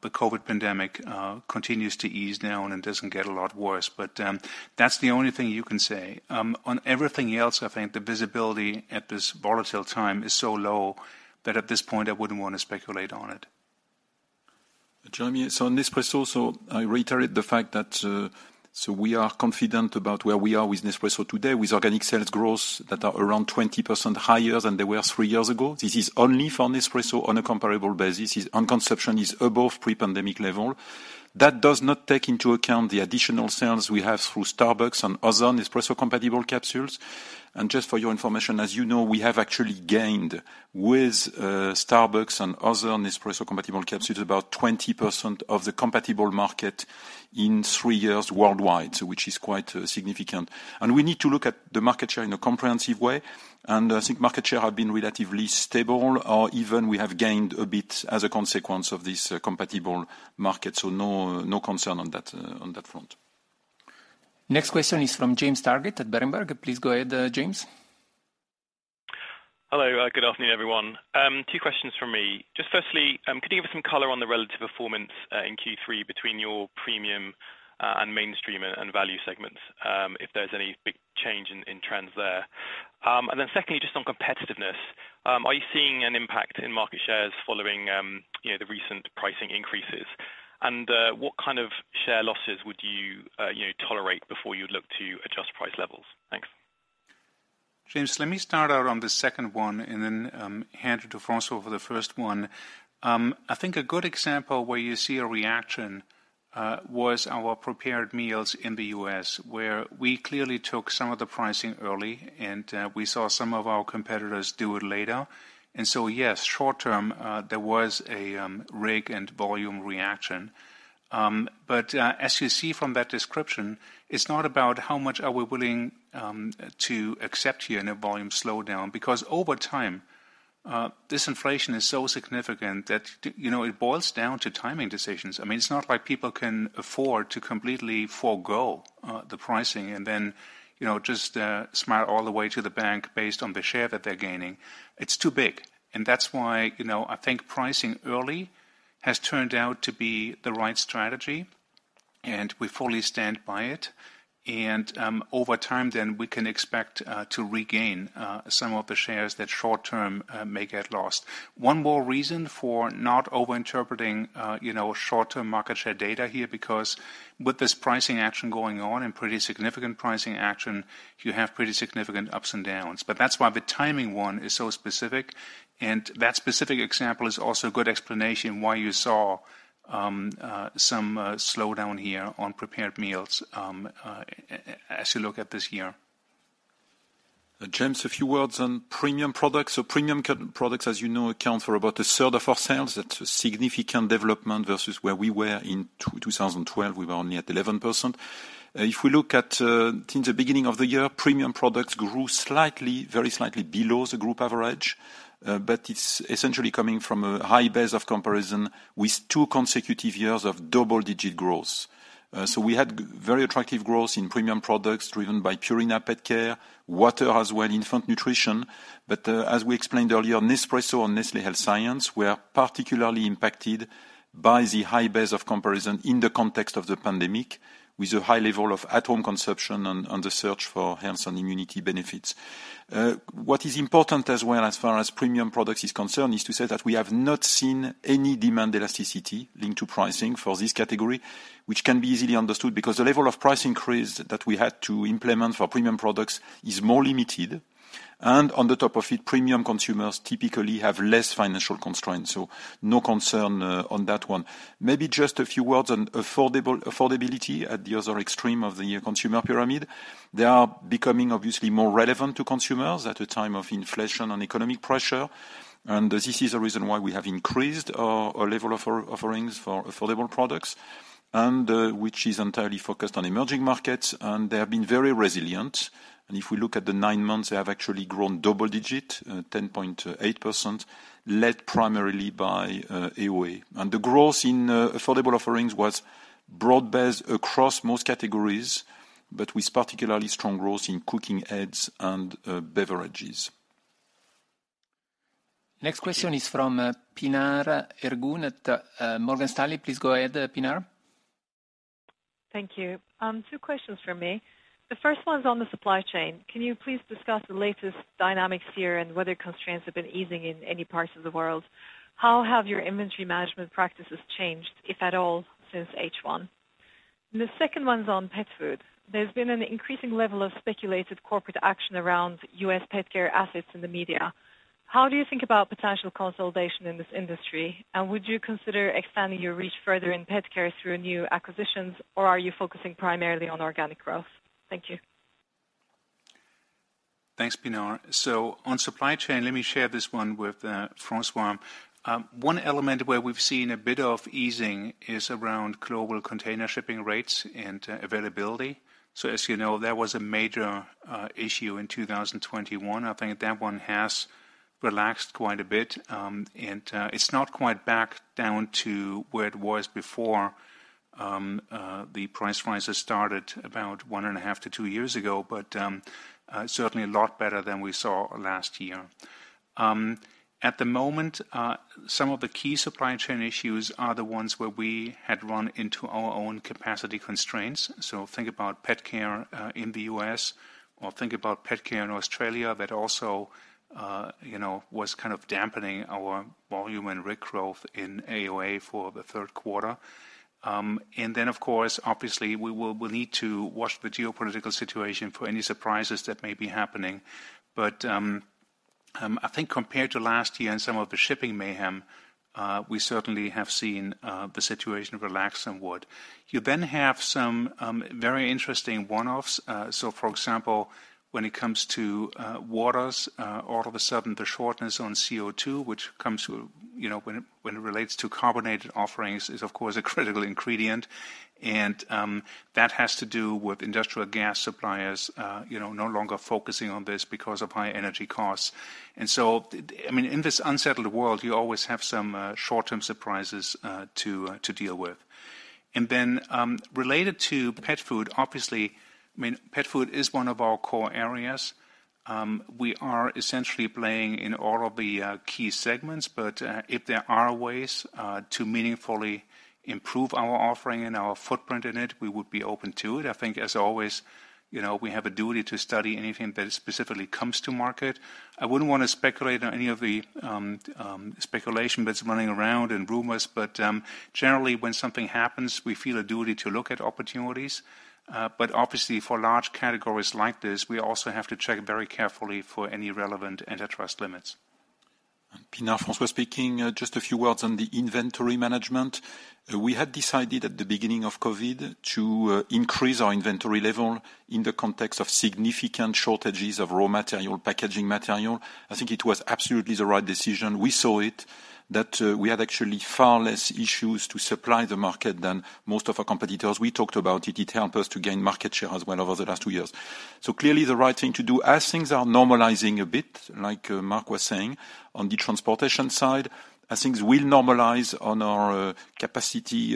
the COVID pandemic continues to ease down and doesn't get a lot worse. That's the only thing you can say. On everything else, I think the visibility at this volatile time is so low that at this point I wouldn't wanna speculate on it. Jeremy, I reiterate the fact that we are confident about where we are with Nespresso today with organic sales growth that are around 20% higher than they were 3 years ago. This is only for Nespresso on a comparable basis. Its consumption is above pre-pandemic level. That does not take into account the additional sales we have through Starbucks and other Nespresso compatible capsules. Just for your information, as you know, we have actually gained with Starbucks and other Nespresso compatible capsules about 20% of the compatible market in 3 years worldwide, which is quite significant. We need to look at the market share in a comprehensive way, and I think market share have been relatively stable or even we have gained a bit as a consequence of this compatible market. No concern on that front. Next question is from James Targett at Berenberg. Please go ahead, James. Hello. Good afternoon, everyone. Two questions from me. Just firstly, could you give us some color on the relative performance in Q3 between your premium and mainstream and value segments, if there's any big change in trends there? And then secondly, just on competitiveness, are you seeing an impact in market shares following, you know, the recent pricing increases? And what kind of share losses would you know, tolerate before you'd look to adjust price levels? Thanks. James, let me start out on the second one and then hand it to François for the first one. I think a good example where you see a reaction was our prepared meals in the U.S., where we clearly took some of the pricing early and we saw some of our competitors do it later. Yes, short term, there was a RIG and volume reaction. As you see from that description, it's not about how much are we willing to accept here in a volume slowdown, because over time this inflation is so significant that, you know, it boils down to timing decisions. I mean, it's not like people can afford to completely forego the pricing and then, you know, just smile all the way to the bank based on the share that they're gaining. It's too big. That's why, you know, I think pricing early has turned out to be the right strategy, and we fully stand by it. Over time then, we can expect to regain some of the shares that short term may get lost. One more reason for not over-interpreting you know, short-term market share data here, because with this pricing action going on and pretty significant pricing action, you have pretty significant ups and downs. That's why the timing one is so specific, and that specific example is also a good explanation why you saw some slowdown here on prepared meals as you look at this year. James, a few words on premium products. Premium products, as you know, account for about a third of our sales. That's a significant development versus where we were in 2012. We were only at 11%. If we look at since the beginning of the year, premium products grew slightly, very slightly below the group average. It's essentially coming from a high base of comparison with two consecutive years of double-digit growth. We had very attractive growth in premium products driven by Purina PetCare, water as well, infant nutrition. As we explained earlier, Nespresso and Nestlé Health Science were particularly impacted by the high base of comparison in the context of the pandemic, with a high level of at-home consumption and the search for health and immunity benefits. What is important as well, as far as premium products is concerned, is to say that we have not seen any demand elasticity linked to pricing for this category, which can be easily understood because the level of price increase that we had to implement for premium products is more limited. On the top of it, premium consumers typically have less financial constraints, so no concern on that one. Maybe just a few words on affordability at the other extreme of the consumer pyramid. They are becoming obviously more relevant to consumers at a time of inflation and economic pressure. This is the reason why we have increased our level offerings for affordable products, and which is entirely focused on emerging markets, and they have been very resilient. If we look at the nine months, they have actually grown double-digit 10.8%, led primarily by AOA. The growth in affordable offerings was broad-based across most categories, but with particularly strong growth in cooking aids and beverages. Next question is from Pinar Ergun at Morgan Stanley. Please go ahead, Pinar. Thank you. Two questions from me. The first one's on the supply chain. Can you please discuss the latest dynamics here and whether constraints have been easing in any parts of the world? How have your inventory management practices changed, if at all, since H1? The second one's on pet food. There's been an increasing level of speculated corporate action around U.S. pet care assets in the media. How do you think about potential consolidation in this industry? Would you consider expanding your reach further in pet care through new acquisitions, or are you focusing primarily on organic growth? Thank you. Thanks, Pinar. On supply chain, let me share this one with François. One element where we've seen a bit of easing is around global container shipping rates and availability. As you know, there was a major issue in 2021. I think that one has relaxed quite a bit, and it's not quite back down to where it was before the price rises started about 1.5-2 years ago. Certainly a lot better than we saw last year. At the moment, some of the key supply chain issues are the ones where we had run into our own capacity constraints. Think about pet care in the U.S., or think about pet care in Australia that also, you know, was kind of dampening our volume and RIG growth in AOA for the third quarter. Of course, obviously we will, we'll need to watch the geopolitical situation for any surprises that may be happening. I think compared to last year and some of the shipping mayhem, we certainly have seen the situation relax somewhat. You then have some very interesting one-offs. For example, when it comes to waters, all of a sudden the shortage of CO2, which comes with, you know, when it relates to carbonated offerings, is of course a critical ingredient. That has to do with industrial gas suppliers, you know, no longer focusing on this because of high energy costs. I mean, in this unsettled world, you always have some short-term surprises to deal with. Related to pet food, obviously, I mean, pet food is one of our core areas. We are essentially playing in all of the key segments. If there are ways to meaningfully improve our offering and our footprint in it, we would be open to it. I think, as always, you know, we have a duty to study anything that specifically comes to market. I wouldn't wanna speculate on any of the speculation that's running around and rumors. Generally when something happens, we feel a duty to look at opportunities. Obviously for large categories like this, we also have to check very carefully for any relevant antitrust limits. Pinar, François speaking. Just a few words on the inventory management. We had decided at the beginning of COVID to increase our inventory level in the context of significant shortages of raw material, packaging material. I think it was absolutely the right decision. We saw it that we had actually far less issues to supply the market than most of our competitors. We talked about it. It helped us to gain market share as well over the last two years. Clearly the right thing to do. As things are normalizing a bit, like Mark was saying, on the transportation side, as things will normalize on our capacity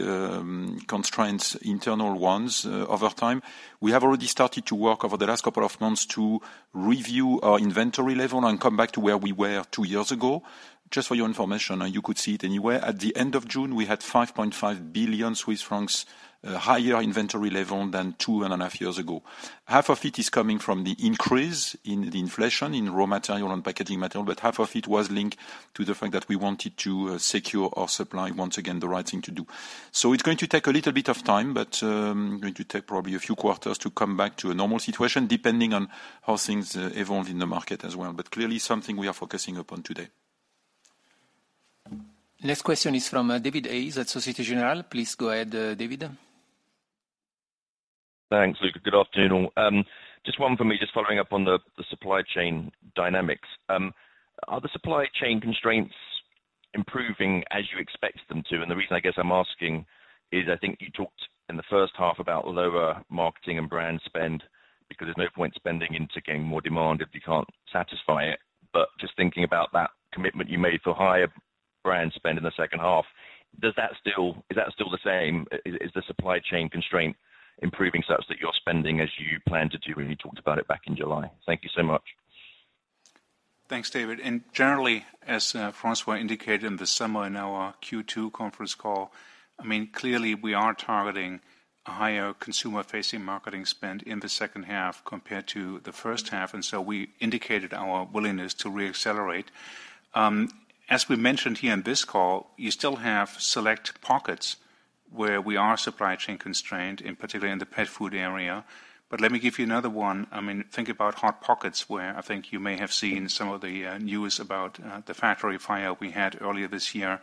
constraints, internal ones, over time. We have already started to work over the last couple of months to review our inventory level and come back to where we were two years ago. Just for your information, you could see it anywhere. At the end of June, we had 5.5 billion Swiss francs higher inventory level than two and a half years ago. Half of it is coming from the increase in the inflation in raw material and packaging material, but half of it was linked to the fact that we wanted to secure our supply. Once again, the right thing to do. It's going to take a little bit of time, but going to take probably a few quarters to come back to a normal situation, depending on how things evolve in the market as well. Clearly something we are focusing upon today. Next question is from David Hayes at Société Générale. Please go ahead, David. Thanks Luca. Good afternoon. Just one for me, just following up on the supply chain dynamics. Are the supply chain constraints improving as you expect them to? The reason I guess I'm asking is I think you talked in the first half about lower marketing and brand spend, because there's no point spending to gain more demand if you can't satisfy it. Just thinking about that commitment you made for higher brand spend in the second half, is that still the same? Is the supply chain constraint improving such that you are spending as you planned to do when you talked about it back in July? Thank you so much. Thanks, David. Generally, as François indicated in the summer in our Q2 conference call, I mean, clearly we are targeting a higher consumer facing marketing spend in the second half compared to the first half, and so we indicated our willingness to re-accelerate. As we mentioned here in this call, you still have select pockets where we are supply chain constrained, in particular in the pet food area. Let me give you another one. I mean, think about Hot Pockets, where I think you may have seen some of the news about the factory fire we had earlier this year.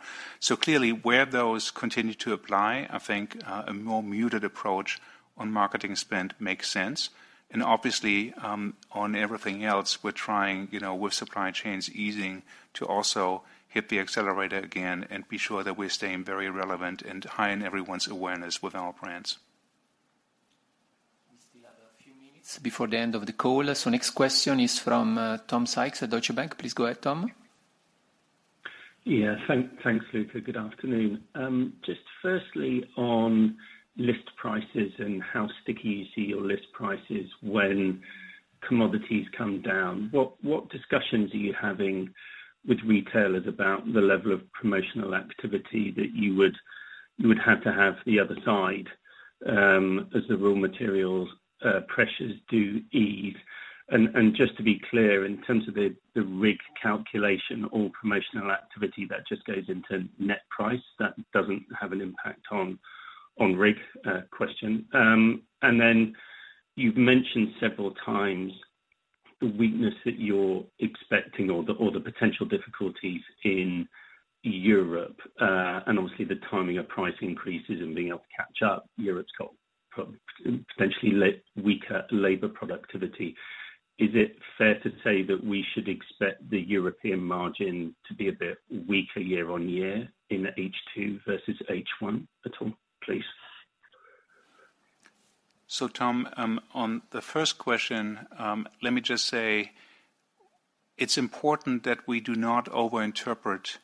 Clearly where those continue to apply, I think a more muted approach on marketing spend makes sense. Obviously, on everything else, we're trying, you know, with supply chains easing to also hit the accelerator again and be sure that we're staying very relevant and high in everyone's awareness with our brands. We still have a few minutes before the end of the call. Next question is from Tom Sykes at Deutsche Bank. Please go ahead, Tom. Yeah. Thanks Luca. Good afternoon. Just firstly on list prices and how sticky you see your list prices when commodities come down, what discussions are you having with retailers about the level of promotional activity that you would have to have the other side, as the raw materials pressures do ease? Just to be clear, in terms of the RIG calculation or promotional activity, that just goes into net price, that doesn't have an impact on RIG question. You've mentioned several times the weakness that you are expecting or the potential difficulties in Europe, and obviously the timing of price increases and being able to catch up. Europe's got essentially weaker labor productivity. Is it fair to say that we should expect the European margin to be a bit weaker year-on-year in H2 versus H1 at all, please? Tom, on the first question, let me just say it's important that we do not overinterpret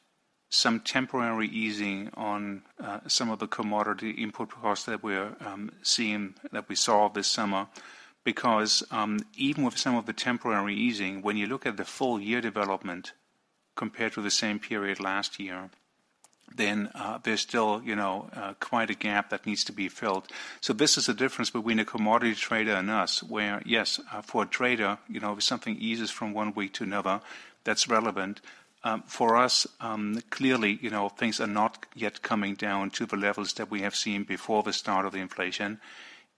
some temporary easing on, some of the commodity input costs that we're seeing, that we saw this summer. Because, even with some of the temporary easing, when you look at the full year development compared to the same period last year, then, there's still, you know, quite a gap that needs to be filled. This is a difference between a commodity trader and us, where yes, for a trader, you know, if something eases from one way to another, that's relevant. For us, clearly, you know, things are not yet coming down to the levels that we have seen before the start of the inflation.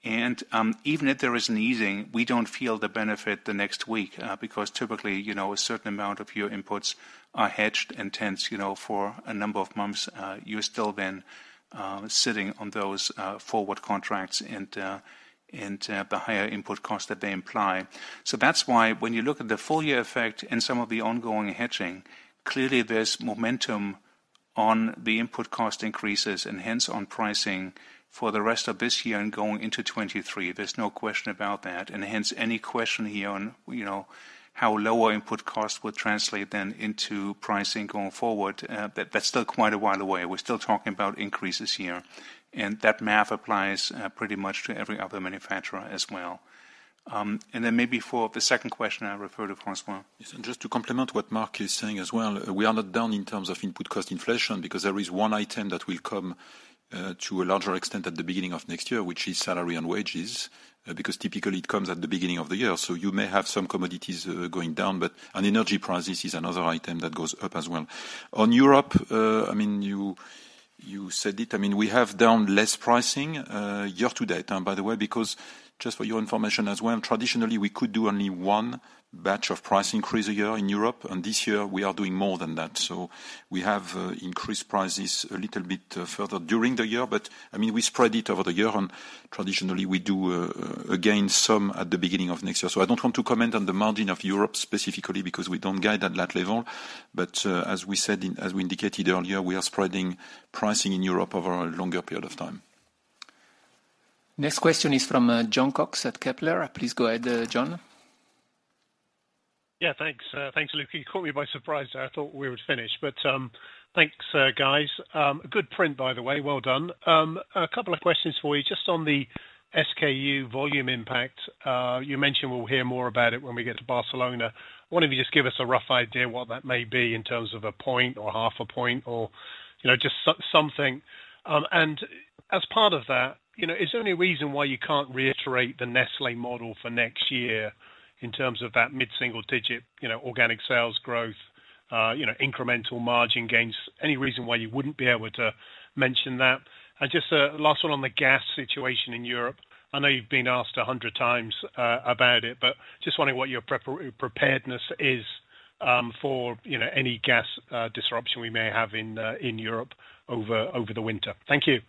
even if there is an easing, we don't feel the benefit the next week, because typically, you know, a certain amount of your inputs are hedged and fixed, you know, for a number of months, you are still then sitting on those forward contracts and the higher input costs that they imply. That's why when you look at the full year effect and some of the ongoing hedging, clearly there's momentum on the input cost increases and hence on pricing for the rest of this year and going into 2023. There's no question about that. Hence any question here on, you know, how lower input costs will translate then into pricing going forward, that's still quite a while away. We're still talking about increases here, and that math applies pretty much to every other manufacturer as well. Maybe for the second question, I refer to François. Yes. Just to complement what Mark is saying as well, we are not done in terms of input cost inflation because there is one item that will come to a larger extent at the beginning of next year, which is salary and wages. Because typically it comes at the beginning of the year. You may have some commodities going down, but, and energy prices is another item that goes up as well. On Europe, I mean, you said it, I mean we have done less pricing year to date, and by the way, because just for your information as well, traditionally we could do only one batch of price increase a year in Europe, and this year we are doing more than that. We have increased prices a little bit further during the year. I mean, we spread it over the year and traditionally we do again some at the beginning of next year. I don't want to comment on the margin of Europe specifically because we don't guide at that level. As we indicated earlier, we are spreading pricing in Europe over a longer period of time. Next question is from Jon Cox at Kepler. Please go ahead, Jon. Yeah, thanks. Thanks, Luca. You caught me by surprise there. I thought we were finished, but thanks, guys. Good print by the way, well done. A couple of questions for you, just on the SKU volume impact. You mentioned we'll hear more about it when we get to Barcelona. I wonder if you just give us a rough idea what that may be in terms of a point or half a point or, you know, just something. As part of that, you know, is there any reason why you can't reiterate the Nestlé model for next year in terms of that mid-single digit, you know, organic sales growth, you know, incremental margin gains? Any reason why you wouldn't be able to mention that? Just last one on the gas situation in Europe. I know you've been asked 100 times about it, but just wondering what your preparedness is for, you know, any gas disruption we may have in Europe over the winter. Thank you.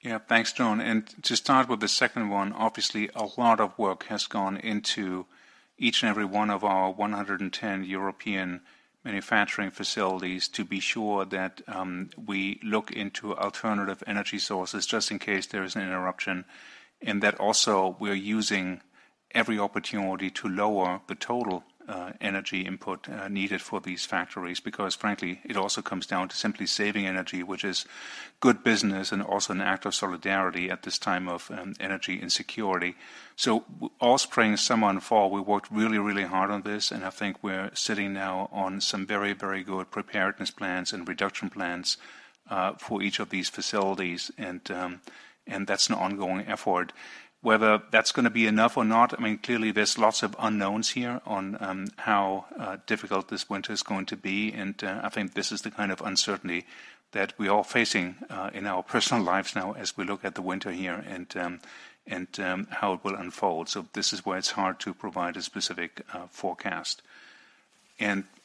Yeah, thanks, John. To start with the second one, obviously a lot of work has gone into each and every one of our 110 European manufacturing facilities to be sure that we look into alternative energy sources just in case there is an interruption. That also, we're using every opportunity to lower the total energy input needed for these factories, because frankly, it also comes down to simply saving energy, which is good business and also an act of solidarity at this time of energy insecurity. All spring, summer, and fall, we worked really, really hard on this, and I think we're sitting now on some very, very good preparedness plans and reduction plans for each of these facilities. That's an ongoing effort. Whether that's gonna be enough or not, I mean, clearly there's lots of unknowns here on how difficult this winter is going to be. I think this is the kind of uncertainty that we're all facing in our personal lives now as we look at the winter here and how it will unfold. This is why it's hard to provide a specific forecast.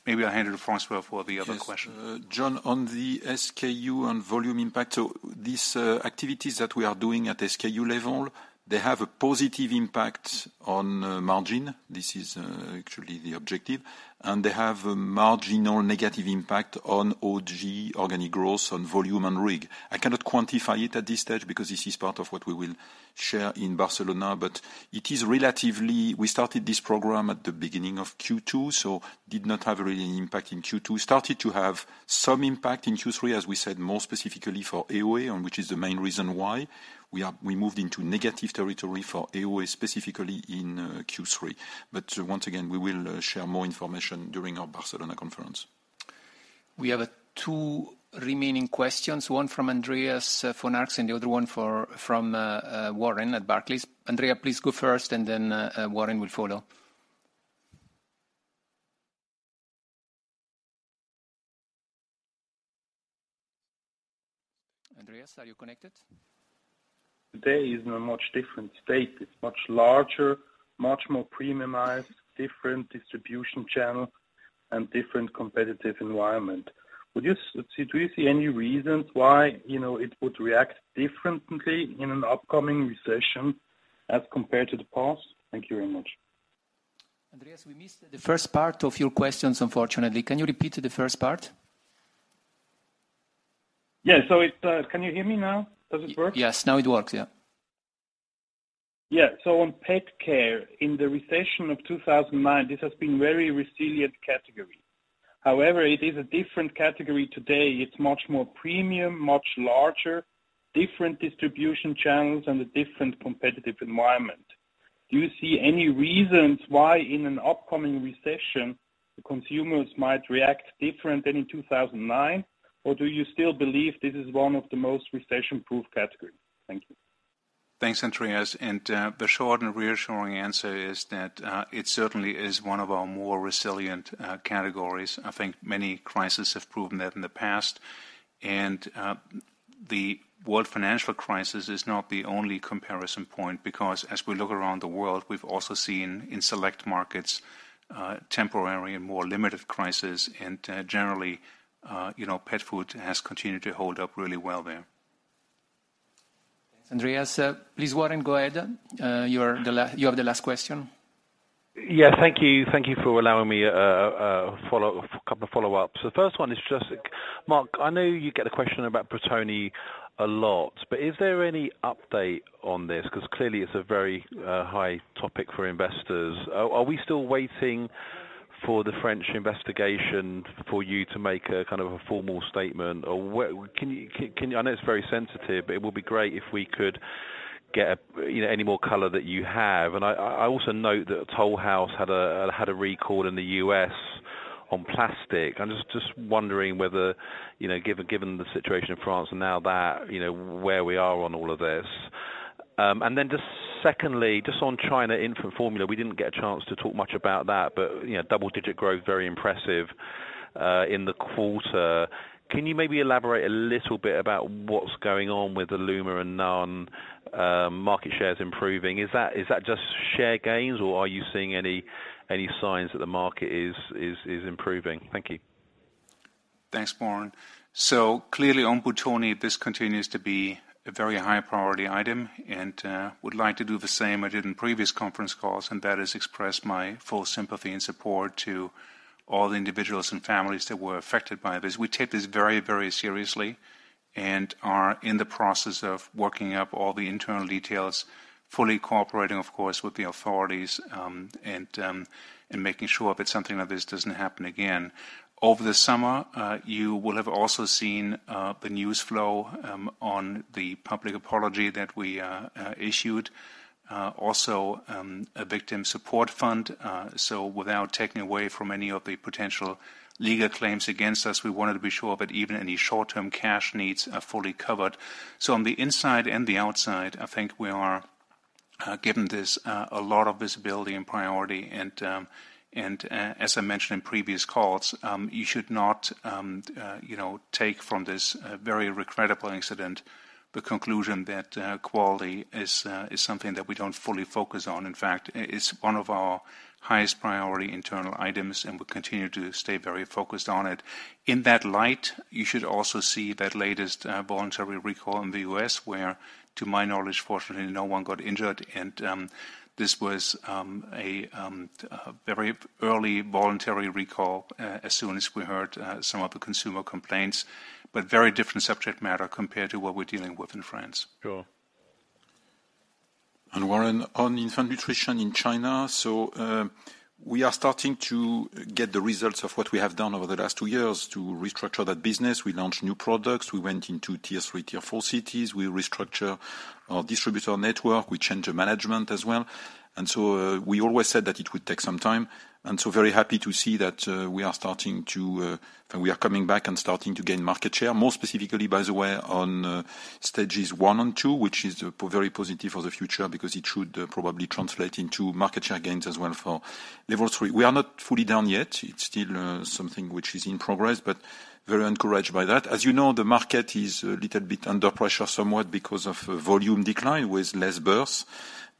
Maybe I'll hand it to François for the other question. Yes. Jon, on the SKU and volume impact, these activities that we are doing at SKU level have a positive impact on margin. This is actually the objective. They have a marginal negative impact on OG, organic growth on volume and RIG. I cannot quantify it at this stage because this is part of what we will share in Barcelona, but it is relatively. We started this program at the beginning of Q2, so did not have a real impact in Q2. Started to have some impact in Q3, as we said more specifically for AOA, which is the main reason why we moved into negative territory for AOA specifically in Q3. Once again, we will share more information during our Barcelona conference. We have two remaining questions, one from Andreas von Arx, and the other one from Warren at Barclays. Andrea, please go first and then Warren will follow. Andreas, are you connected? Today is in a much different state. It's much larger, much more premiumized, different distribution channel and different competitive environment. Would you see any reasons why, you know, it would react differently in an upcoming recession as compared to the past? Thank you very much. Andreas, we missed the first part of your questions, unfortunately. Can you repeat the first part? Yeah. Can you hear me now? Does it work? Yes. Now it works. Yeah. Yeah. On pet care, in the recession of 2009, this has been very resilient category. However, it is a different category today. It's much more premium, much larger, different distribution channels and a different competitive environment. Do you see any reasons why in an upcoming recession, the consumers might react different than in 2009? Or do you still believe this is one of the most recession-proof categories? Thank you. Thanks, Andreas. The short and reassuring answer is that it certainly is one of our more resilient categories. I think many crises have proven that in the past. The world financial crisis is not the only comparison point because as we look around the world, we've also seen in select markets temporary and more limited crises and generally you know pet food has continued to hold up really well there. Thanks, Andreas. Please, Warren, go ahead. You have the last question. Yeah. Thank you. Thank you for allowing me a follow-up, a couple of follow-ups. The first one is just, Mark, I know you get a question about Buitoni a lot, but is there any update on this? Because clearly it's a very high topic for investors. Are we still waiting for the French investigation for you to make a kind of a formal statement? Or where can you? I know it's very sensitive, but it would be great if we could get, you know, any more color that you have. I also note that Toll House had a recall in the US on plastic. I'm just wondering whether, you know, given the situation in France and now that, you know, where we are on all of this. Just secondly, just on China infant formula, we didn't get a chance to talk much about that, but, you know, double digit growth, very impressive, in the quarter. Can you maybe elaborate a little bit about what's going on with the illuma and NAN market shares improving? Is that just share gains, or are you seeing any signs that the market is improving? Thank you. Thanks, Warren. Clearly on Buitoni, this continues to be a very high priority item, and would like to do the same I did in previous conference calls, and that is express my full sympathy and support to all the individuals and families that were affected by this. We take this very, very seriously and are in the process of working up all the internal details, fully cooperating, of course, with the authorities, and making sure that something like this doesn't happen again. Over the summer, you will have also seen the news flow on the public apology that we issued. Also, a victim support fund. Without taking away from any of the potential legal claims against us, we wanted to be sure that even any short-term cash needs are fully covered. On the inside and the outside, I think we are giving this a lot of visibility and priority. As I mentioned in previous calls, you should not you know, take from this very regrettable incident, the conclusion that quality is something that we don't fully focus on. In fact, it is one of our highest priority internal items, and we continue to stay very focused on it. In that light, you should also see that latest voluntary recall in the US where, to my knowledge, fortunately, no one got injured. This was a very early voluntary recall as soon as we heard some of the consumer complaints. Very different subject matter compared to what we're dealing with in France. Sure. Warren, on infant nutrition in China, we are starting to get the results of what we have done over the last 2 years to restructure that business. We launched new products. We went into tier 3, tier 4 cities. We restructure our distributor network. We change the management as well. We always said that it would take some time. Very happy to see that we are coming back and starting to gain market share. More specifically, by the way, on stages 1 and 2, which is very positive for the future because it should probably translate into market share gains as well for level 3. We are not fully done yet. It's still something which is in progress, but very encouraged by that. As you know, the market is a little bit under pressure somewhat because of volume decline with less births.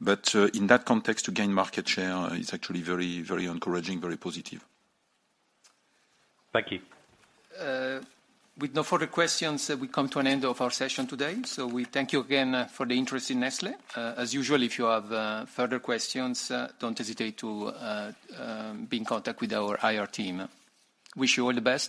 In that context, to gain market share is actually very, very encouraging, very positive. Thank you. With no further questions, we come to an end of our session today. We thank you again for the interest in Nestlé. As usual, if you have further questions, don't hesitate to be in contact with our IR team. Wish you all the best.